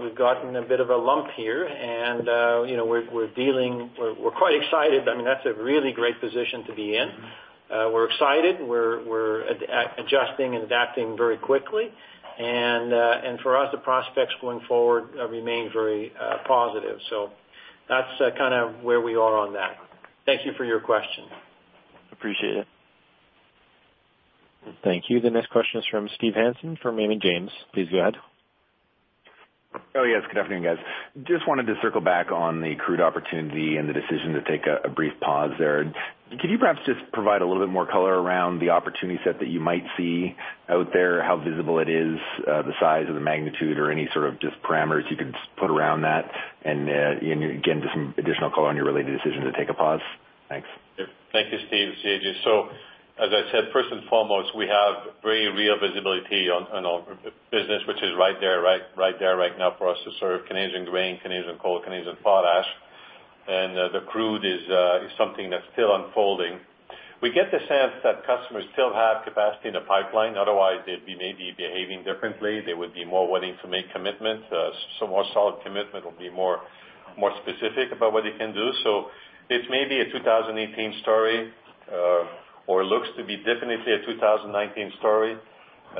we've gotten a bit of a lump here, and we're quite excited. I mean, that's a really great position to be in. We're excited. We're adjusting and adapting very quickly. For us, the prospects going forward remain very positive. That's kind of where we are on that. Thank you for your question. Appreciate it. Thank you. The next question is from Steve Hansen from Raymond James. Please go ahead. Oh, yes. Good afternoon, guys. Just wanted to circle back on the crude opportunity and the decision to take a brief pause there. Could you perhaps just provide a little bit more color around the opportunity set that you might see out there, how visible it is, the size or the magnitude or any sort of just parameters you can put around that? And again, just some additional color on your related decision to take a pause. Thanks. Thank you, Steve, it's J.J. So as I said, first and foremost, we have very real visibility on our business, which is right there, right there right now for us to serve Canadian grain, Canadian coal, Canadian potash. And the crude is something that's still unfolding. We get the sense that customers still have capacity in the pipeline. Otherwise, they'd be maybe behaving differently. They would be more willing to make commitments. Some more solid commitment will be more specific about what they can do. So it's maybe a 2018 story, or it looks to be definitely a 2019 story.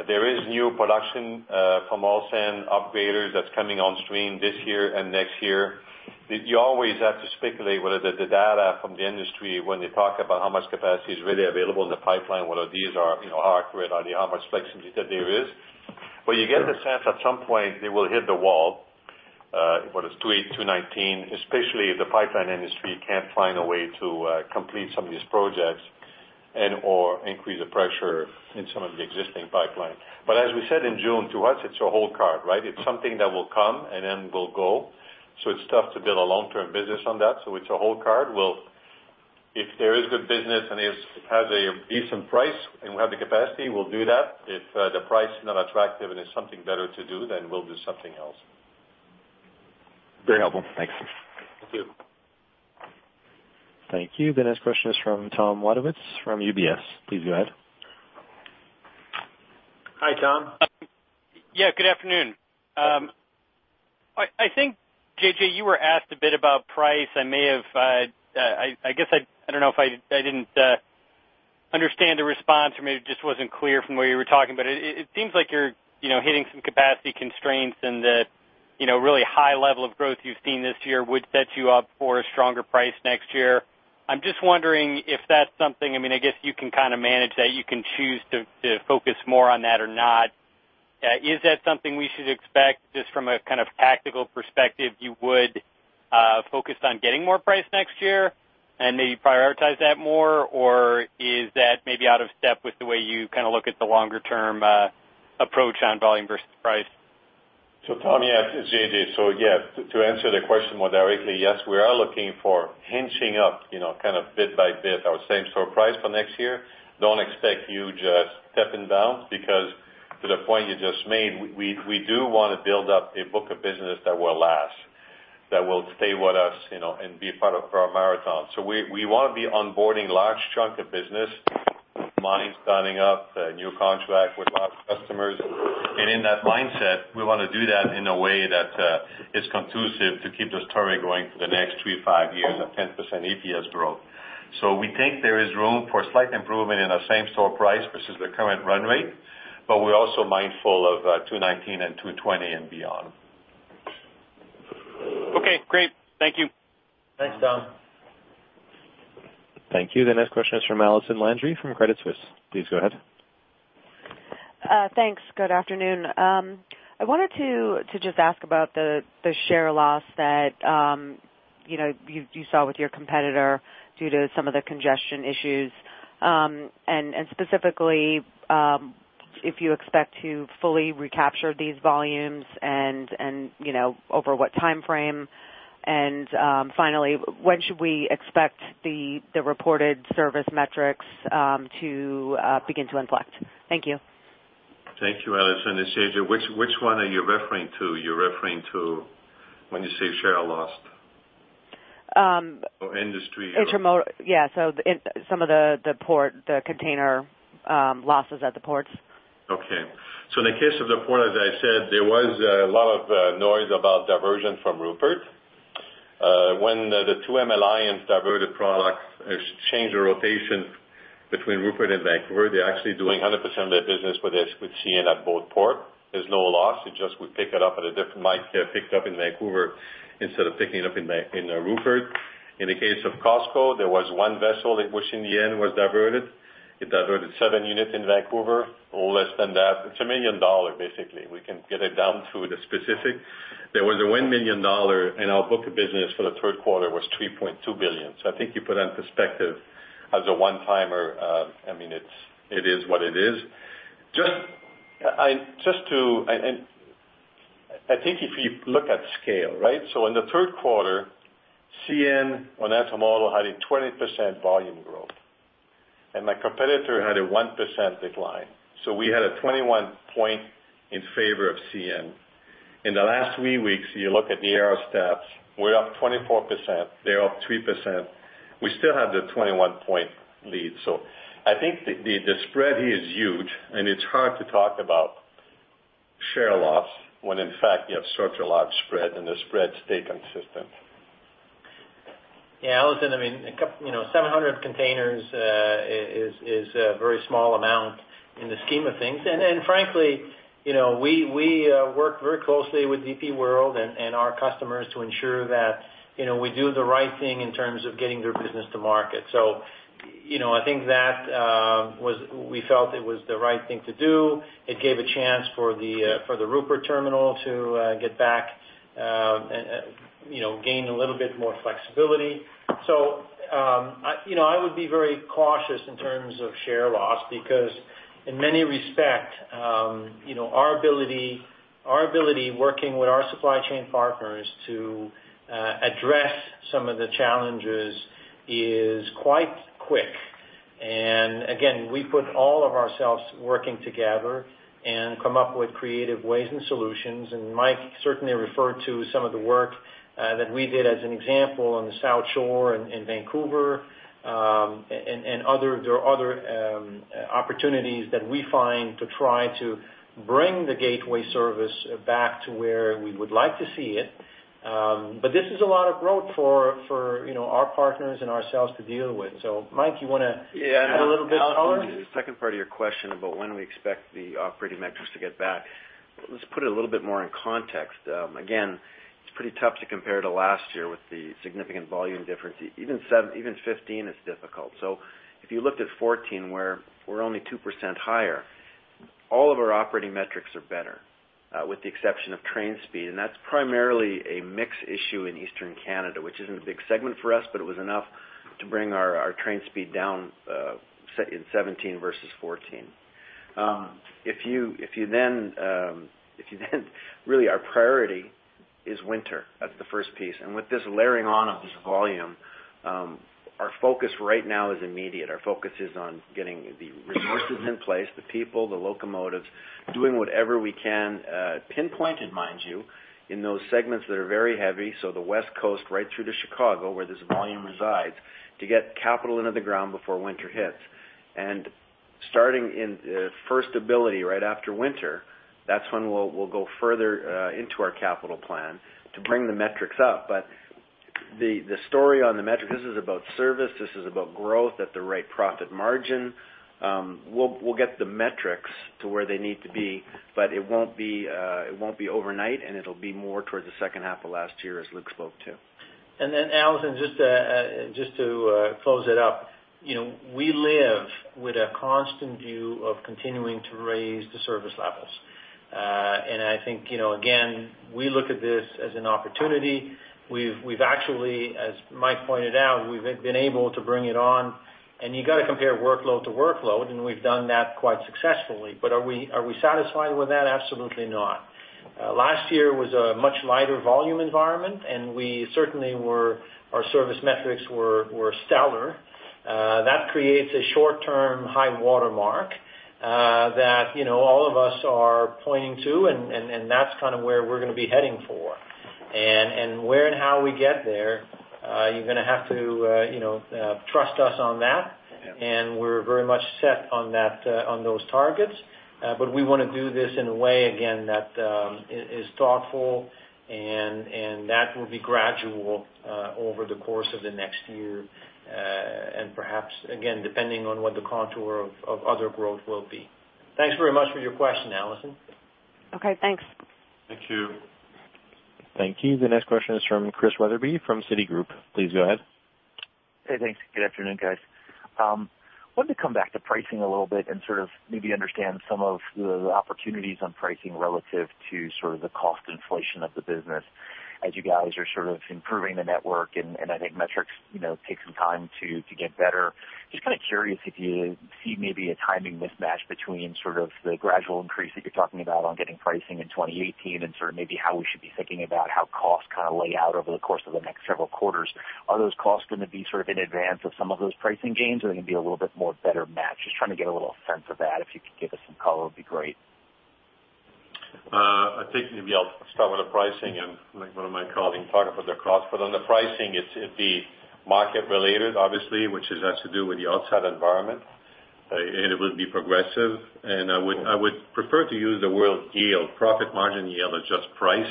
There is new production from oil sands upgraders that's coming on stream this year and next year. You always have to speculate whether the data from the industry, when they talk about how much capacity is really available in the pipeline, whether these are hardware or how much flexibility that there is. But you get the sense at some point they will hit the wall, whether it's 2018, 2019, especially if the pipeline industry can't find a way to complete some of these projects and/or increase the pressure in some of the existing pipeline. But as we said in June, to us, it's a hold card, right? It's something that will come and then will go. So it's tough to build a long-term business on that. So it's a hold card. If there is good business and it has a decent price and we have the capacity, we'll do that. If the price is not attractive and it's something better to do, then we'll do something else. Very helpful. Thanks. Thank you. Thank you. The next question is from Tom Wadewitz from UBS. Please go ahead. Hi, Tom. Yeah. Good afternoon. I think, J.J., you were asked a bit about price. I guess I don't know if I didn't understand the response or maybe it just wasn't clear from the way you were talking, but it seems like you're hitting some capacity constraints and that really high level of growth you've seen this year would set you up for a stronger price next year. I'm just wondering if that's something I mean, I guess you can kind of manage that. You can choose to focus more on that or not. Is that something we should expect just from a kind of tactical perspective? You would focus on getting more price next year and maybe prioritize that more, or is that maybe out of step with the way you kind of look at the longer-term approach on volume versus price? So, Tom, yes, it's J.J. So yeah, to answer the question more directly, yes, we are looking for ramping up kind of bit by bit our same-store price for next year. Don't expect huge step and bounce because, to the point you just made, we do want to build up a book of business that will last, that will stay with us and be part of our marathon. So we want to be onboarding large chunks of business, mines signing up, new contract with our customers. And in that mindset, we want to do that in a way that is conducive to keep the story going for the next three, five years at 10% EPS growth. So we think there is room for slight improvement in our same-store price versus the current run rate, but we're also mindful of 2019 and 2020 and beyond. Okay. Great. Thank you. Thanks, Tom. Thank you. The next question is from Allison Landry from Credit Suisse. Please go ahead. Thanks. Good afternoon. I wanted to just ask about the share loss that you saw with your competitor due to some of the congestion issues. Specifically, if you expect to fully recapture these volumes and over what time frame? Finally, when should we expect the reported service metrics to begin to inflect? Thank you. Thank you, Allison, it's J.J. Which one are you referring to? You're referring to when you say share loss? Industry. Yeah. So some of the container losses at the ports. Okay. So in the case of the port, as I said, there was a lot of noise about diversion from Rupert. When the 2M Alliance diverted products, it changed the rotation between Rupert and Vancouver. They're actually doing 100% of their business with CN at both ports. There's no loss. It just would pick it up at a different might get picked up in Vancouver instead of picking it up in Rupert. In the case of COSCO, there was one vessel that was in the end was diverted. It diverted seven units in Vancouver, less than that. It's $1 million, basically. We can get it down to the specific. There was a $1 million, and our book of business for the third quarter was $3.2 billion. So I think you put it in perspective as a one-timer. I mean, it is what it is. Just to, I think, if you look at scale, right? So in the third quarter, CN on that model had a 20% volume growth. And my competitor had a 1% decline. So we had a 21 point in favor of CN. In the last three weeks, you look at the AAR stats, we're up 24%. They're up 3%. We still have the 21-point lead. So I think the spread here is huge, and it's hard to talk about share loss when, in fact, you have such a large spread and the spread stayed consistent. Yeah. Allison, I mean, 700 containers is a very small amount in the scheme of things. Frankly, we work very closely with DP World and our customers to ensure that we do the right thing in terms of getting their business to market. I think that we felt it was the right thing to do. It gave a chance for the Rupert terminal to get back and gain a little bit more flexibility. I would be very cautious in terms of share loss because in many respects, our ability working with our supply chain partners to address some of the challenges is quite quick. Again, we put all of ourselves working together and come up with creative ways and solutions. Mike certainly referred to some of the work that we did as an example on the South Shore in Vancouver and other opportunities that we find to try to bring the gateway service back to where we would like to see it. But this is a lot of growth for our partners and ourselves to deal with. Mike, you want to add a little bit of color? Yeah. And Allison, the second part of your question about when we expect the operating metrics to get back, let's put it a little bit more in context. Again, it's pretty tough to compare to last year with the significant volume difference. Even 2015 is difficult. So if you looked at 2014, where we're only 2% higher, all of our operating metrics are better with the exception of train speed. And that's primarily a mixed issue in Eastern Canada, which isn't a big segment for us, but it was enough to bring our train speed down in 2017 versus 2014. If you then really our priority is winter. That's the first piece. And with this layering on of this volume, our focus right now is immediate. Our focus is on getting the resources in place, the people, the locomotives, doing whatever we can, pinpointed, mind you, in those segments that are very heavy: the West Coast, right through to Chicago, where this volume resides, to get capital into the ground before winter hits. Starting in first quarter right after winter, that's when we'll go further into our capital plan to bring the metrics up. But the story on the metric, this is about service. This is about growth at the right profit margin. We'll get the metrics to where they need to be, but it won't be overnight, and it'll be more towards the second half of last year, as Luc spoke to. Then, Allison, just to close it up, we live with a constant view of continuing to raise the service levels. And I think, again, we look at this as an opportunity. We've actually, as Mike pointed out, we've been able to bring it on. And you got to compare workload to workload, and we've done that quite successfully. But are we satisfied with that? Absolutely not. Last year was a much lighter volume environment, and we certainly were, our service metrics were stellar. That creates a short-term high watermark that all of us are pointing to, and that's kind of where we're going to be heading for. And where and how we get there, you're going to have to trust us on that. And we're very much set on those targets. We want to do this in a way, again, that is thoughtful, and that will be gradual over the course of the next year. Perhaps, again, depending on what the contour of other growth will be. Thanks very much for your question, Allison. Okay. Thanks. Thank you. Thank you. The next question is from Chris Wetherbee from Citigroup. Please go ahead. Hey, thanks. Good afternoon, guys. I wanted to come back to pricing a little bit and sort of maybe understand some of the opportunities on pricing relative to sort of the cost inflation of the business as you guys are sort of improving the network. I think metrics take some time to get better. Just kind of curious if you see maybe a timing mismatch between sort of the gradual increase that you're talking about on getting pricing in 2018 and sort of maybe how we should be thinking about how costs kind of lay out over the course of the next several quarters. Are those costs going to be sort of in advance of some of those pricing gains, or are they going to be a little bit more better match? Just trying to get a little sense of that. If you could give us some color, it would be great. I think maybe I'll start with the pricing and let one of my colleagues talk about the cost. But on the pricing, it'd be market-related, obviously, which has to do with the outside environment. And it would be progressive. And I would prefer to use the word yield, profit margin yield, adjust price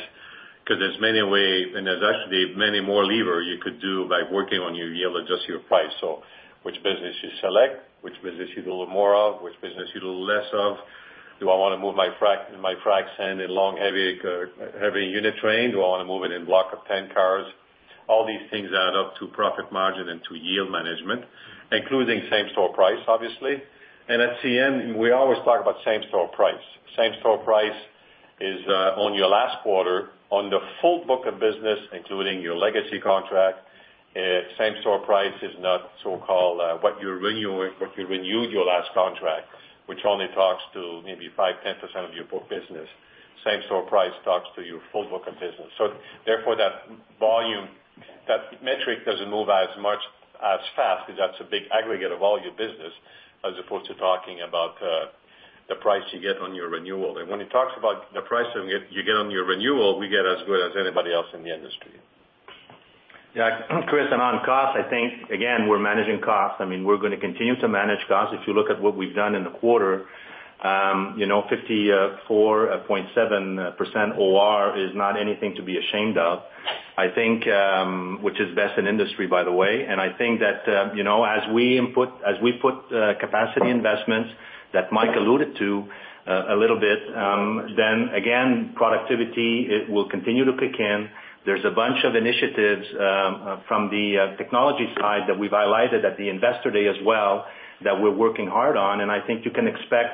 because there's many ways and there's actually many more levers you could do by working on your yield, adjust your price. So which business you select, which business you do a little more of, which business you do a little less of. Do I want to move my frac sand in long heavy unit train? Do I want to move it in block of 10 cars? All these things add up to profit margin and to yield management, including same-store price, obviously. And at CN, we always talk about same-store price. Same-store price is on your last quarter on the full book of business, including your legacy contract. Same-store price is not so-called what you renewed your last contract, which only talks to maybe 5%-10% of your book business. Same-store price talks to your full book of business. So therefore, that volume, that metric doesn't move as fast because that's a big aggregate of all your business as opposed to talking about the price you get on your renewal. When it talks about the price you get on your renewal, we get as good as anybody else in the industry. Yeah. Chris, and on costs, I think, again, we're managing costs. I mean, we're going to continue to manage costs. If you look at what we've done in the quarter, 54.7% OR is not anything to be ashamed of, I think, which is best in industry, by the way. And I think that as we put capacity investments that Mike alluded to a little bit, then again, productivity will continue to kick in. There's a bunch of initiatives from the technology side that we've highlighted at the Investor Day as well that we're working hard on. And I think you can expect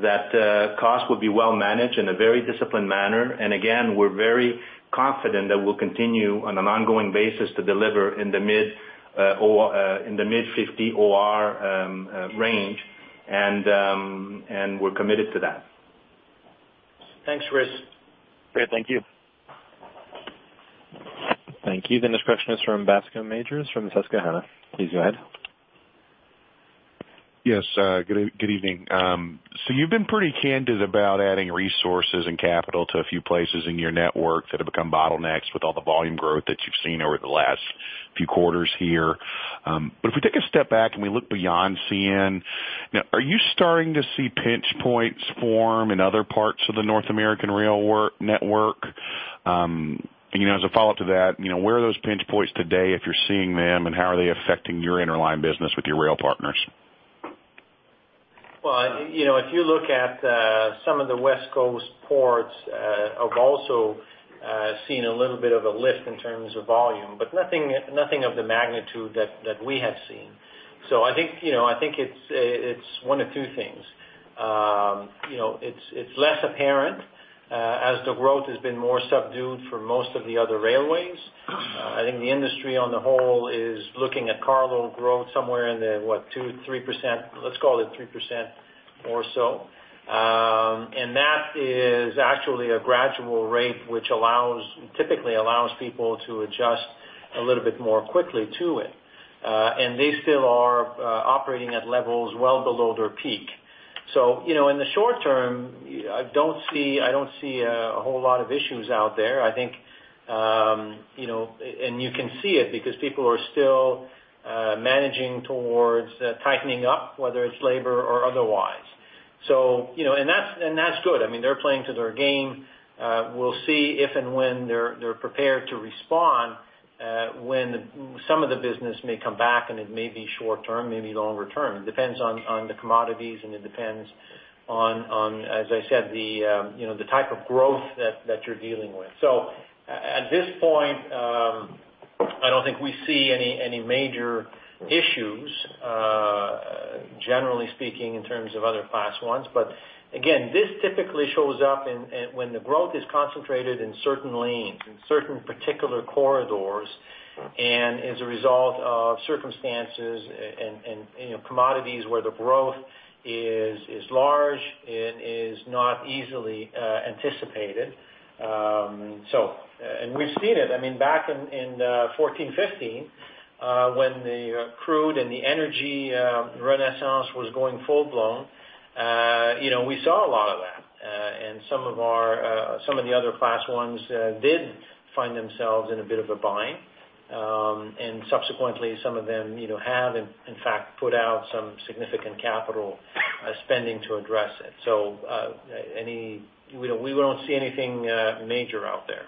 that costs will be well managed in a very disciplined manner. And again, we're very confident that we'll continue on an ongoing basis to deliver in the mid-50 OR range. And we're committed to that. Thanks, Chris. Great. Thank you. Thank you. The next question is from Bascome Majors from Susquehanna. Please go ahead. Yes. Good evening. So you've been pretty candid about adding resources and capital to a few places in your network that have become bottlenecks with all the volume growth that you've seen over the last few quarters here. But if we take a step back and we look beyond CN, are you starting to see pinch points form in other parts of the North American rail network? As a follow-up to that, where are those pinch points today, if you're seeing them, and how are they affecting your interline business with your rail partners? Well, if you look at some of the West Coast ports, I've also seen a little bit of a lift in terms of volume, but nothing of the magnitude that we have seen. So I think it's one of two things. It's less apparent as the growth has been more subdued for most of the other railways. I think the industry on the whole is looking at carload growth somewhere in the, what, 2%-3%? Let's call it 3% or so. And that is actually a gradual rate which typically allows people to adjust a little bit more quickly to it. And they still are operating at levels well below their peak. So in the short term, I don't see a whole lot of issues out there. I think, and you can see it because people are still managing towards tightening up, whether it's labor or otherwise. That's good. I mean, they're playing to their game. We'll see if and when they're prepared to respond when some of the business may come back, and it may be short-term, maybe longer-term. It depends on the commodities, and it depends on, as I said, the type of growth that you're dealing with. At this point, I don't think we see any major issues, generally speaking, in terms of other Class Is. Again, this typically shows up when the growth is concentrated in certain lanes, in certain particular corridors, and is a result of circumstances and commodities where the growth is large and is not easily anticipated. We've seen it. I mean, back in 2014-2015, when the crude and the energy renaissance was going full-blown, we saw a lot of that. Some of the other Class Is did find themselves in a bit of a bind. Subsequently, some of them have, in fact, put out some significant capital spending to address it. We don't see anything major out there.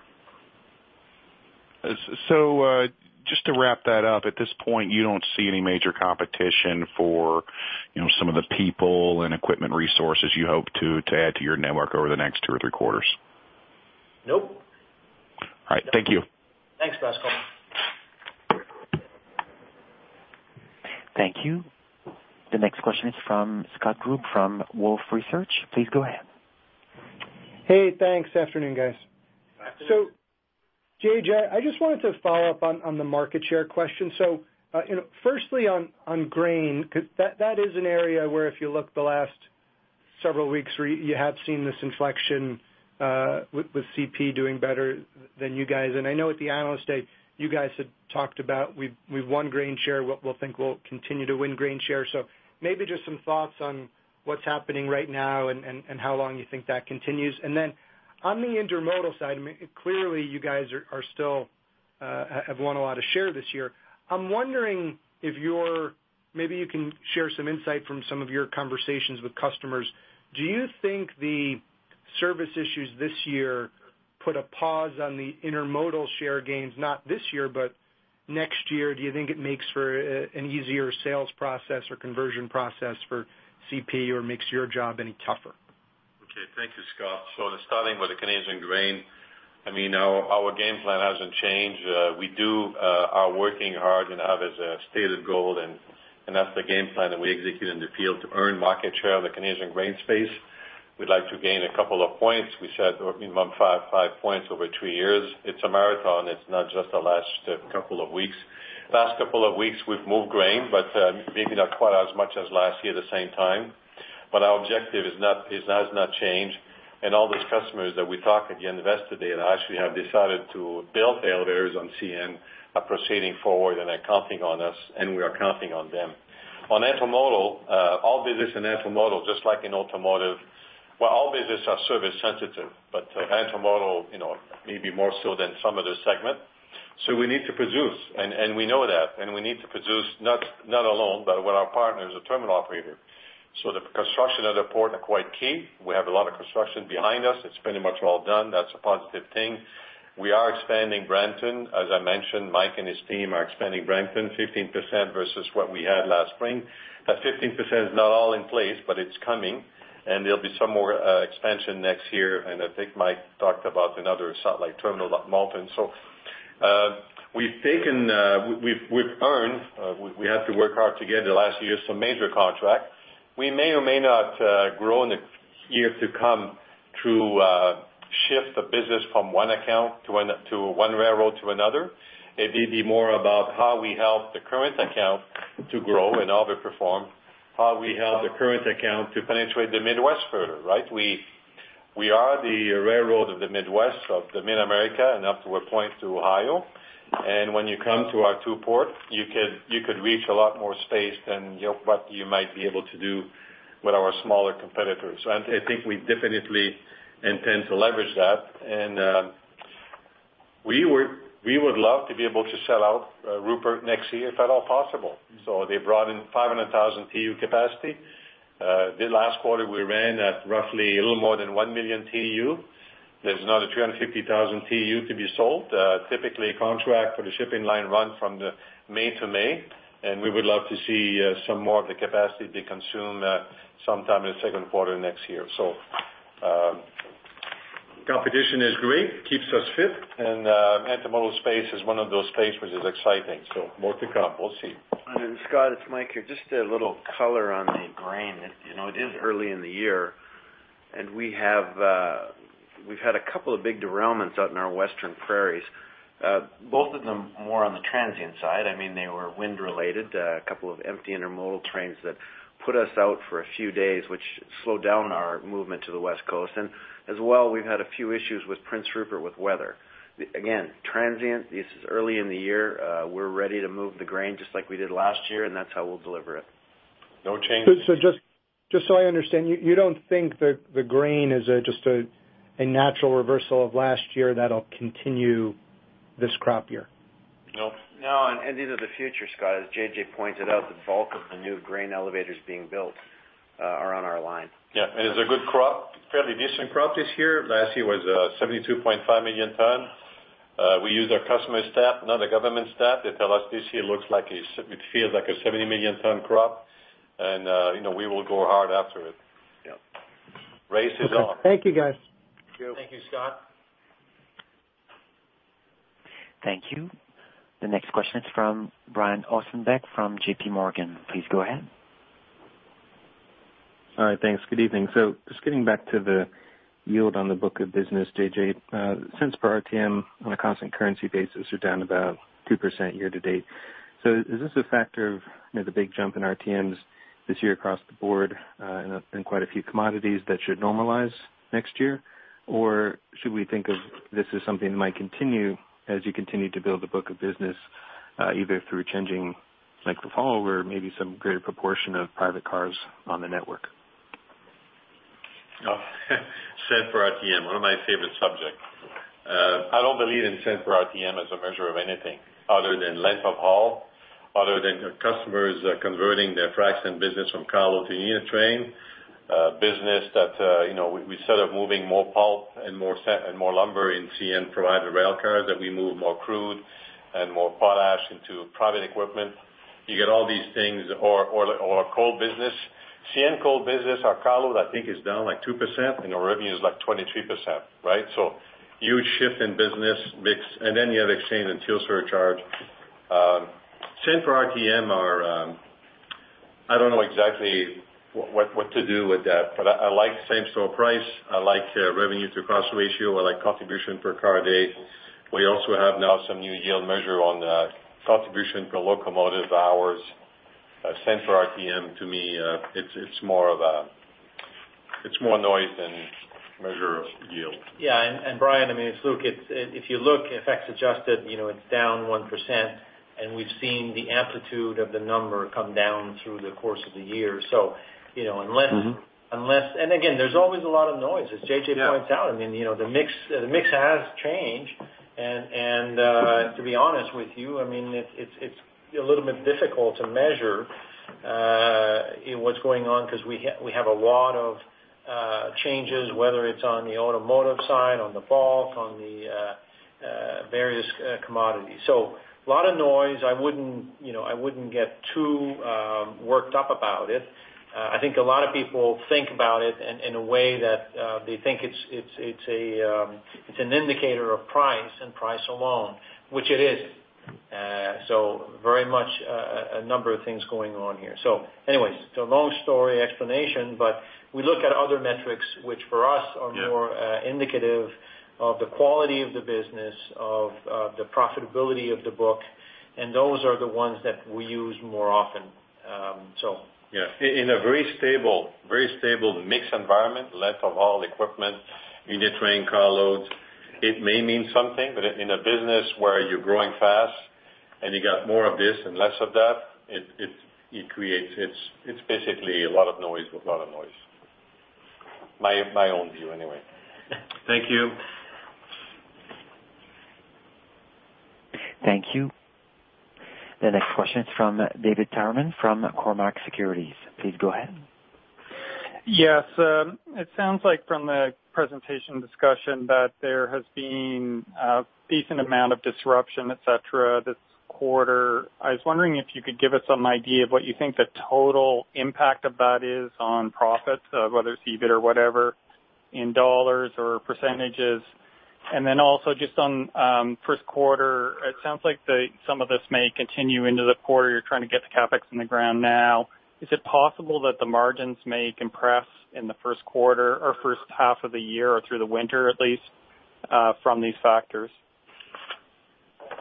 Just to wrap that up, at this point, you don't see any major competition for some of the people and equipment resources you hope to add to your network over the next two or three quarters? Nope. All right. Thank you. Thanks, Bascome. Thank you. The next question is from Scott Group from Wolfe Research. Please go ahead. Hey, thanks. Afternoon, guys. So, J.J., I just wanted to follow up on the market share question. So, firstly, on grain, because that is an area where if you look the last several weeks, you have seen this inflection with CP doing better than you guys. And I know at the analyst day, you guys had talked about we've won grain share. We'll think we'll continue to win grain share. So maybe just some thoughts on what's happening right now and how long you think that continues. And then on the intermodal side, clearly, you guys have won a lot of share this year. I'm wondering if you're maybe you can share some insight from some of your conversations with customers. Do you think the service issues this year put a pause on the intermodal share gains, not this year, but next year? Do you think it makes for an easier sales process or conversion process for CP or makes your job any tougher? Okay. Thank you, Scott. So starting with the Canadian grain, I mean, our game plan hasn't changed. We are working hard and have a stated goal, and that's the game plan that we execute in the field to earn market share of the Canadian grain space. We'd like to gain a couple of points. We said we've won five points over three years. It's a marathon. It's not just the last couple of weeks. Last couple of weeks, we've moved grain, but maybe not quite as much as last year at the same time. But our objective has not changed. And all those customers that we talked with, the investors that actually have decided to build their elevators on CN, are proceeding forward, and are counting on us, and we are counting on them. On intermodal, all business in intermodal, just like in automotive, well, all business are service sensitive, but intermodal maybe more so than some other segment. So we need to produce, and we know that. We need to produce not alone, but with our partners, the terminal operator. So the construction of the port is quite key. We have a lot of construction behind us. It's pretty much all done. That's a positive thing. We are expanding Brampton. As I mentioned, Mike and his team are expanding Brampton, 15% versus what we had last spring. That 15% is not all in place, but it's coming. There'll be some more expansion next year. I think Mike talked about another satellite terminal, Milton. So we've earned. We had to work hard to get last year some major contract. We may or may not grow in the year to come to shift the business from one account to one railroad to another. It may be more about how we help the current account to grow and overperform, how we help the current account to penetrate the Midwest further, right? We are the railroad of the Midwest, of the Mid-America, and up to a point to Ohio. When you come to our two ports, you could reach a lot more space than what you might be able to do with our smaller competitors. I think we definitely intend to leverage that. We would love to be able to sell out Rupert next year, if at all possible. So they brought in 500,000 TEU capacity. The last quarter, we ran at roughly a little more than 1,000,000 TEU. There's another 350,000 TEU to be sold. Typically, a contract for the shipping line runs from May to May. We would love to see some more of the capacity be consumed sometime in the second quarter next year. Competition is great, keeps us fit, and intermodal space is one of those spaces which is exciting. More to come. We'll see. Scott, it's Mike here. Just a little color on the grain. It is early in the year, and we've had a couple of big derailments out in our western prairies, both of them more on the transient side. I mean, they were wind-related, a couple of empty intermodal trains that put us out for a few days, which slowed down our movement to the West Coast. And as well, we've had a few issues with Prince Rupert with weather. Again, transient, this is early in the year. We're ready to move the grain just like we did last year, and that's how we'll deliver it. No change. So just so I understand, you don't think the grain is just a natural reversal of last year that'll continue this crop year? No. No. These are the future, Scott, as J.J. pointed out, the bulk of the new grain elevators being built are on our line. Yeah. And it's a good crop, fairly decent. The crop this year, last year, was 72.5 million tons. We used our customer staff, not the government staff. They tell us this year looks like it feels like a 70 million ton crop, and we will go hard after it. Race is off. Thank you, guys. Thank you. Thank you, Scott. Thank you. The next question is from Brian Ossenbeck from JPMorgan. Please go ahead. All right. Thanks. Good evening. So just getting back to the yield on the book of business, J.J., since per RTM on a constant currency basis, we're down about 2% year to date. So is this a factor of the big jump in RTMs this year across the board in quite a few commodities that should normalize next year? Or should we think of this as something that might continue as you continue to build the book of business, either through changing the haul or maybe some greater proportion of private cars on the network? Yield per RTM, one of my favorite subjects. I don't believe in yield per RTM as a measure of anything other than length of haul, other than customers converting their frac business from carload to unit train, business that we're sort of moving more pulp and more lumber in CN-provided rail cars, that we move more crude and more potash into private equipment. You get all these things or coal business. CN coal business, our carload, I think, is down like 2%, and our revenue is like 23%, right? So huge shift in business mix. And then you have exchange and fuel surcharge. Yield per RTM, I don't know exactly what to do with that, but I like same-store price. I like revenue-to-cost ratio. I like contribution per car a day. We also have now some new yield measure on contribution per locomotive hours. Cent per RTM to me. It's more noise than measure of yield. Yeah. And Brian, I mean, if you look, FX adjusted, it's down 1%. And we've seen the amplitude of the number come down through the course of the year. So unless—and again, there's always a lot of noise, as J.J. points out. I mean, the mix has changed. And to be honest with you, I mean, it's a little bit difficult to measure what's going on because we have a lot of changes, whether it's on the automotive side, on the bulk, on the various commodities. So a lot of noise. I wouldn't get too worked up about it. I think a lot of people think about it in a way that they think it's an indicator of price and price alone, which it isn't. So very much a number of things going on here. So anyway, it's a long story explanation, but we look at other metrics, which for us are more indicative of the quality of the business, of the profitability of the book. And those are the ones that we use more often, so. Yeah. In a very stable, very stable mix environment, length of haul, equipment, unit train, carloads, it may mean something. But in a business where you're growing fast and you got more of this and less of that, it creates. It's basically a lot of noise with a lot of noise. My own view, anyway. Thank you. Thank you. The next question is from David Tyerman from Cormark Securities. Please go ahead. Yes. It sounds like from the presentation discussion that there has been a decent amount of disruption, etc., this quarter. I was wondering if you could give us some idea of what you think the total impact of that is on profits, whether it's EBIT or whatever, in dollars or percentages. Then also just on first quarter, it sounds like some of this may continue into the quarter. You're trying to get the CapEx in the ground now. Is it possible that the margins may compress in the first quarter or first half of the year or through the winter, at least, from these factors?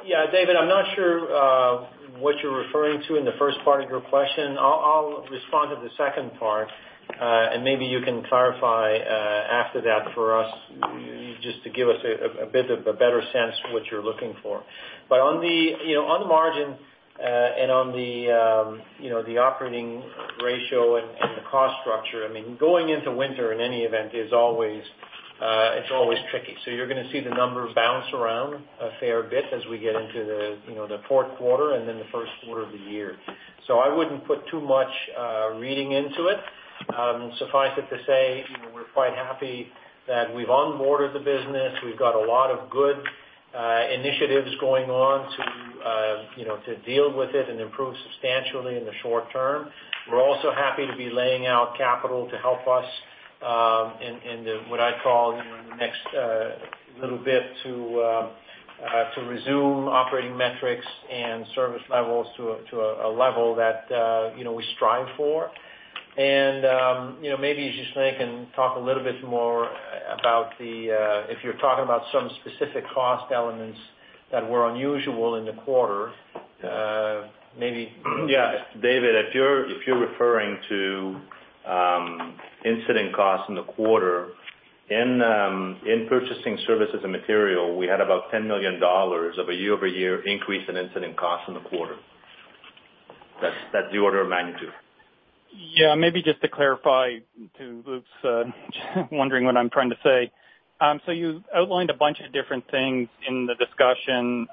Yeah. David, I'm not sure what you're referring to in the first part of your question. I'll respond to the second part, and maybe you can clarify after that for us just to give us a bit of a better sense of what you're looking for. But on the margin and on the operating ratio and the cost structure, I mean, going into winter, in any event, it's always tricky. So you're going to see the number bounce around a fair bit as we get into the fourth quarter and then the first quarter of the year. So I wouldn't put too much reading into it. Suffice it to say, we're quite happy that we've onboarded the business. We've got a lot of good initiatives going on to deal with it and improve substantially in the short term. We're also happy to be laying out capital to help us in what I call the next little bit to resume operating metrics and service levels to a level that we strive for. Maybe you just think and talk a little bit more about the, if you're talking about some specific cost elements that were unusual in the quarter, maybe. Yeah. David, if you're referring to incident costs in the quarter, in purchasing services and material, we had about $10 million of a year-over-year increase in incident costs in the quarter. That's the order of magnitude. Yeah. Maybe just to clarify to Luc, wondering what I'm trying to say. So you outlined a bunch of different things in the discussion,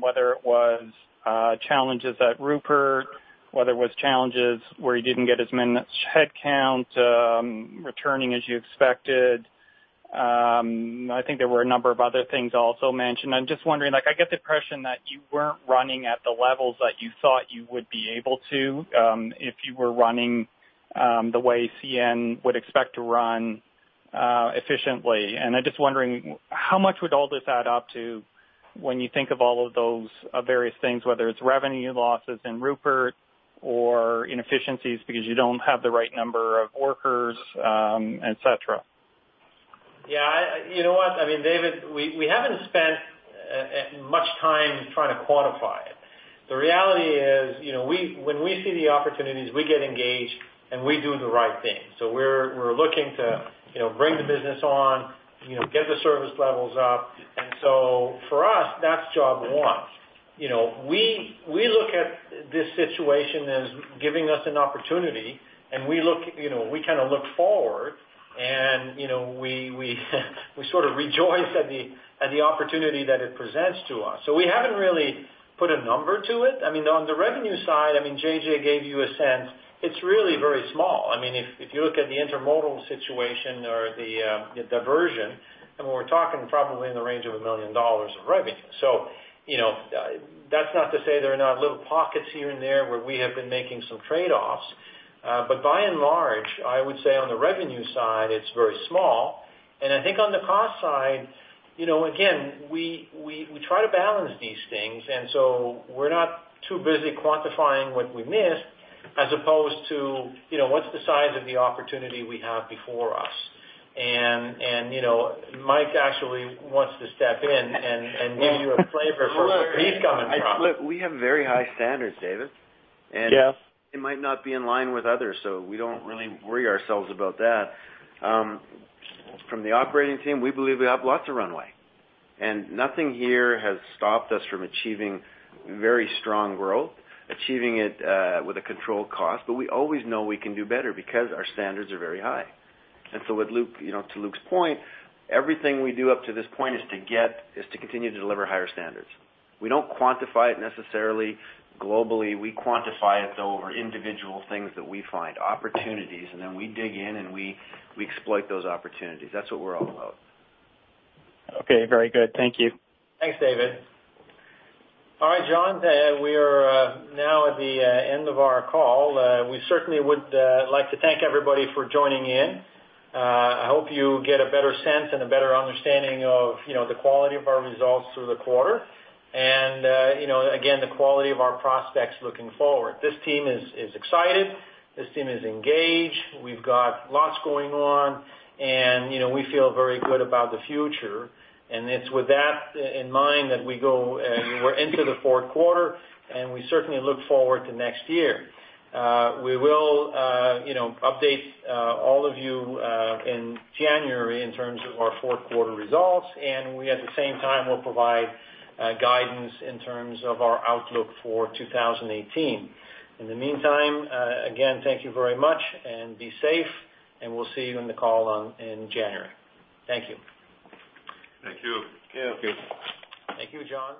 whether it was challenges at Rupert, whether it was challenges where you didn't get as many headcounts returning as you expected. I think there were a number of other things also mentioned. I'm just wondering, I get the impression that you weren't running at the levels that you thought you would be able to if you were running the way CN would expect to run efficiently. And I'm just wondering, how much would all this add up to when you think of all of those various things, whether it's revenue losses in Rupert or inefficiencies because you don't have the right number of workers, etc.? Yeah. You know what? I mean, David, we haven't spent much time trying to quantify it. The reality is when we see the opportunities, we get engaged and we do the right thing. So we're looking to bring the business on, get the service levels up. And so for us, that's job one. We look at this situation as giving us an opportunity, and we kind of look forward, and we sort of rejoice at the opportunity that it presents to us. So we haven't really put a number to it. I mean, on the revenue side, I mean, J.J. gave you a sense. It's really very small. I mean, if you look at the intermodal situation or the diversion, I mean, we're talking probably in the range of $1 million of revenue. So that's not to say there are not little pockets here and there where we have been making some trade-offs. But by and large, I would say on the revenue side, it's very small. And I think on the cost side, again, we try to balance these things. And so we're not too busy quantifying what we missed as opposed to what's the size of the opportunity we have before us. And Mike actually wants to step in and give you a flavor for where he's coming from. Look, we have very high standards, David. It might not be in line with others, so we don't really worry ourselves about that. From the operating team, we believe we have lots of runway. Nothing here has stopped us from achieving very strong growth, achieving it with a controlled cost. But we always know we can do better because our standards are very high. So to Luc's point, everything we do up to this point is to continue to deliver higher standards. We don't quantify it necessarily globally. We quantify it over individual things that we find, opportunities, and then we dig in and we exploit those opportunities. That's what we're all about. Okay. Very good. Thank you. Thanks, David. All right, John, we are now at the end of our call. We certainly would like to thank everybody for joining in. I hope you get a better sense and a better understanding of the quality of our results through the quarter. Again, the quality of our prospects looking forward. This team is excited. This team is engaged. We've got lots going on, and we feel very good about the future. It's with that in mind that we're into the fourth quarter, and we certainly look forward to next year. We will update all of you in January in terms of our fourth quarter results. At the same time, we'll provide guidance in terms of our outlook for 2018. In the meantime, again, thank you very much, and be safe, and we'll see you in the call in January. Thank you. Thank you. Thank you. Thank you, John.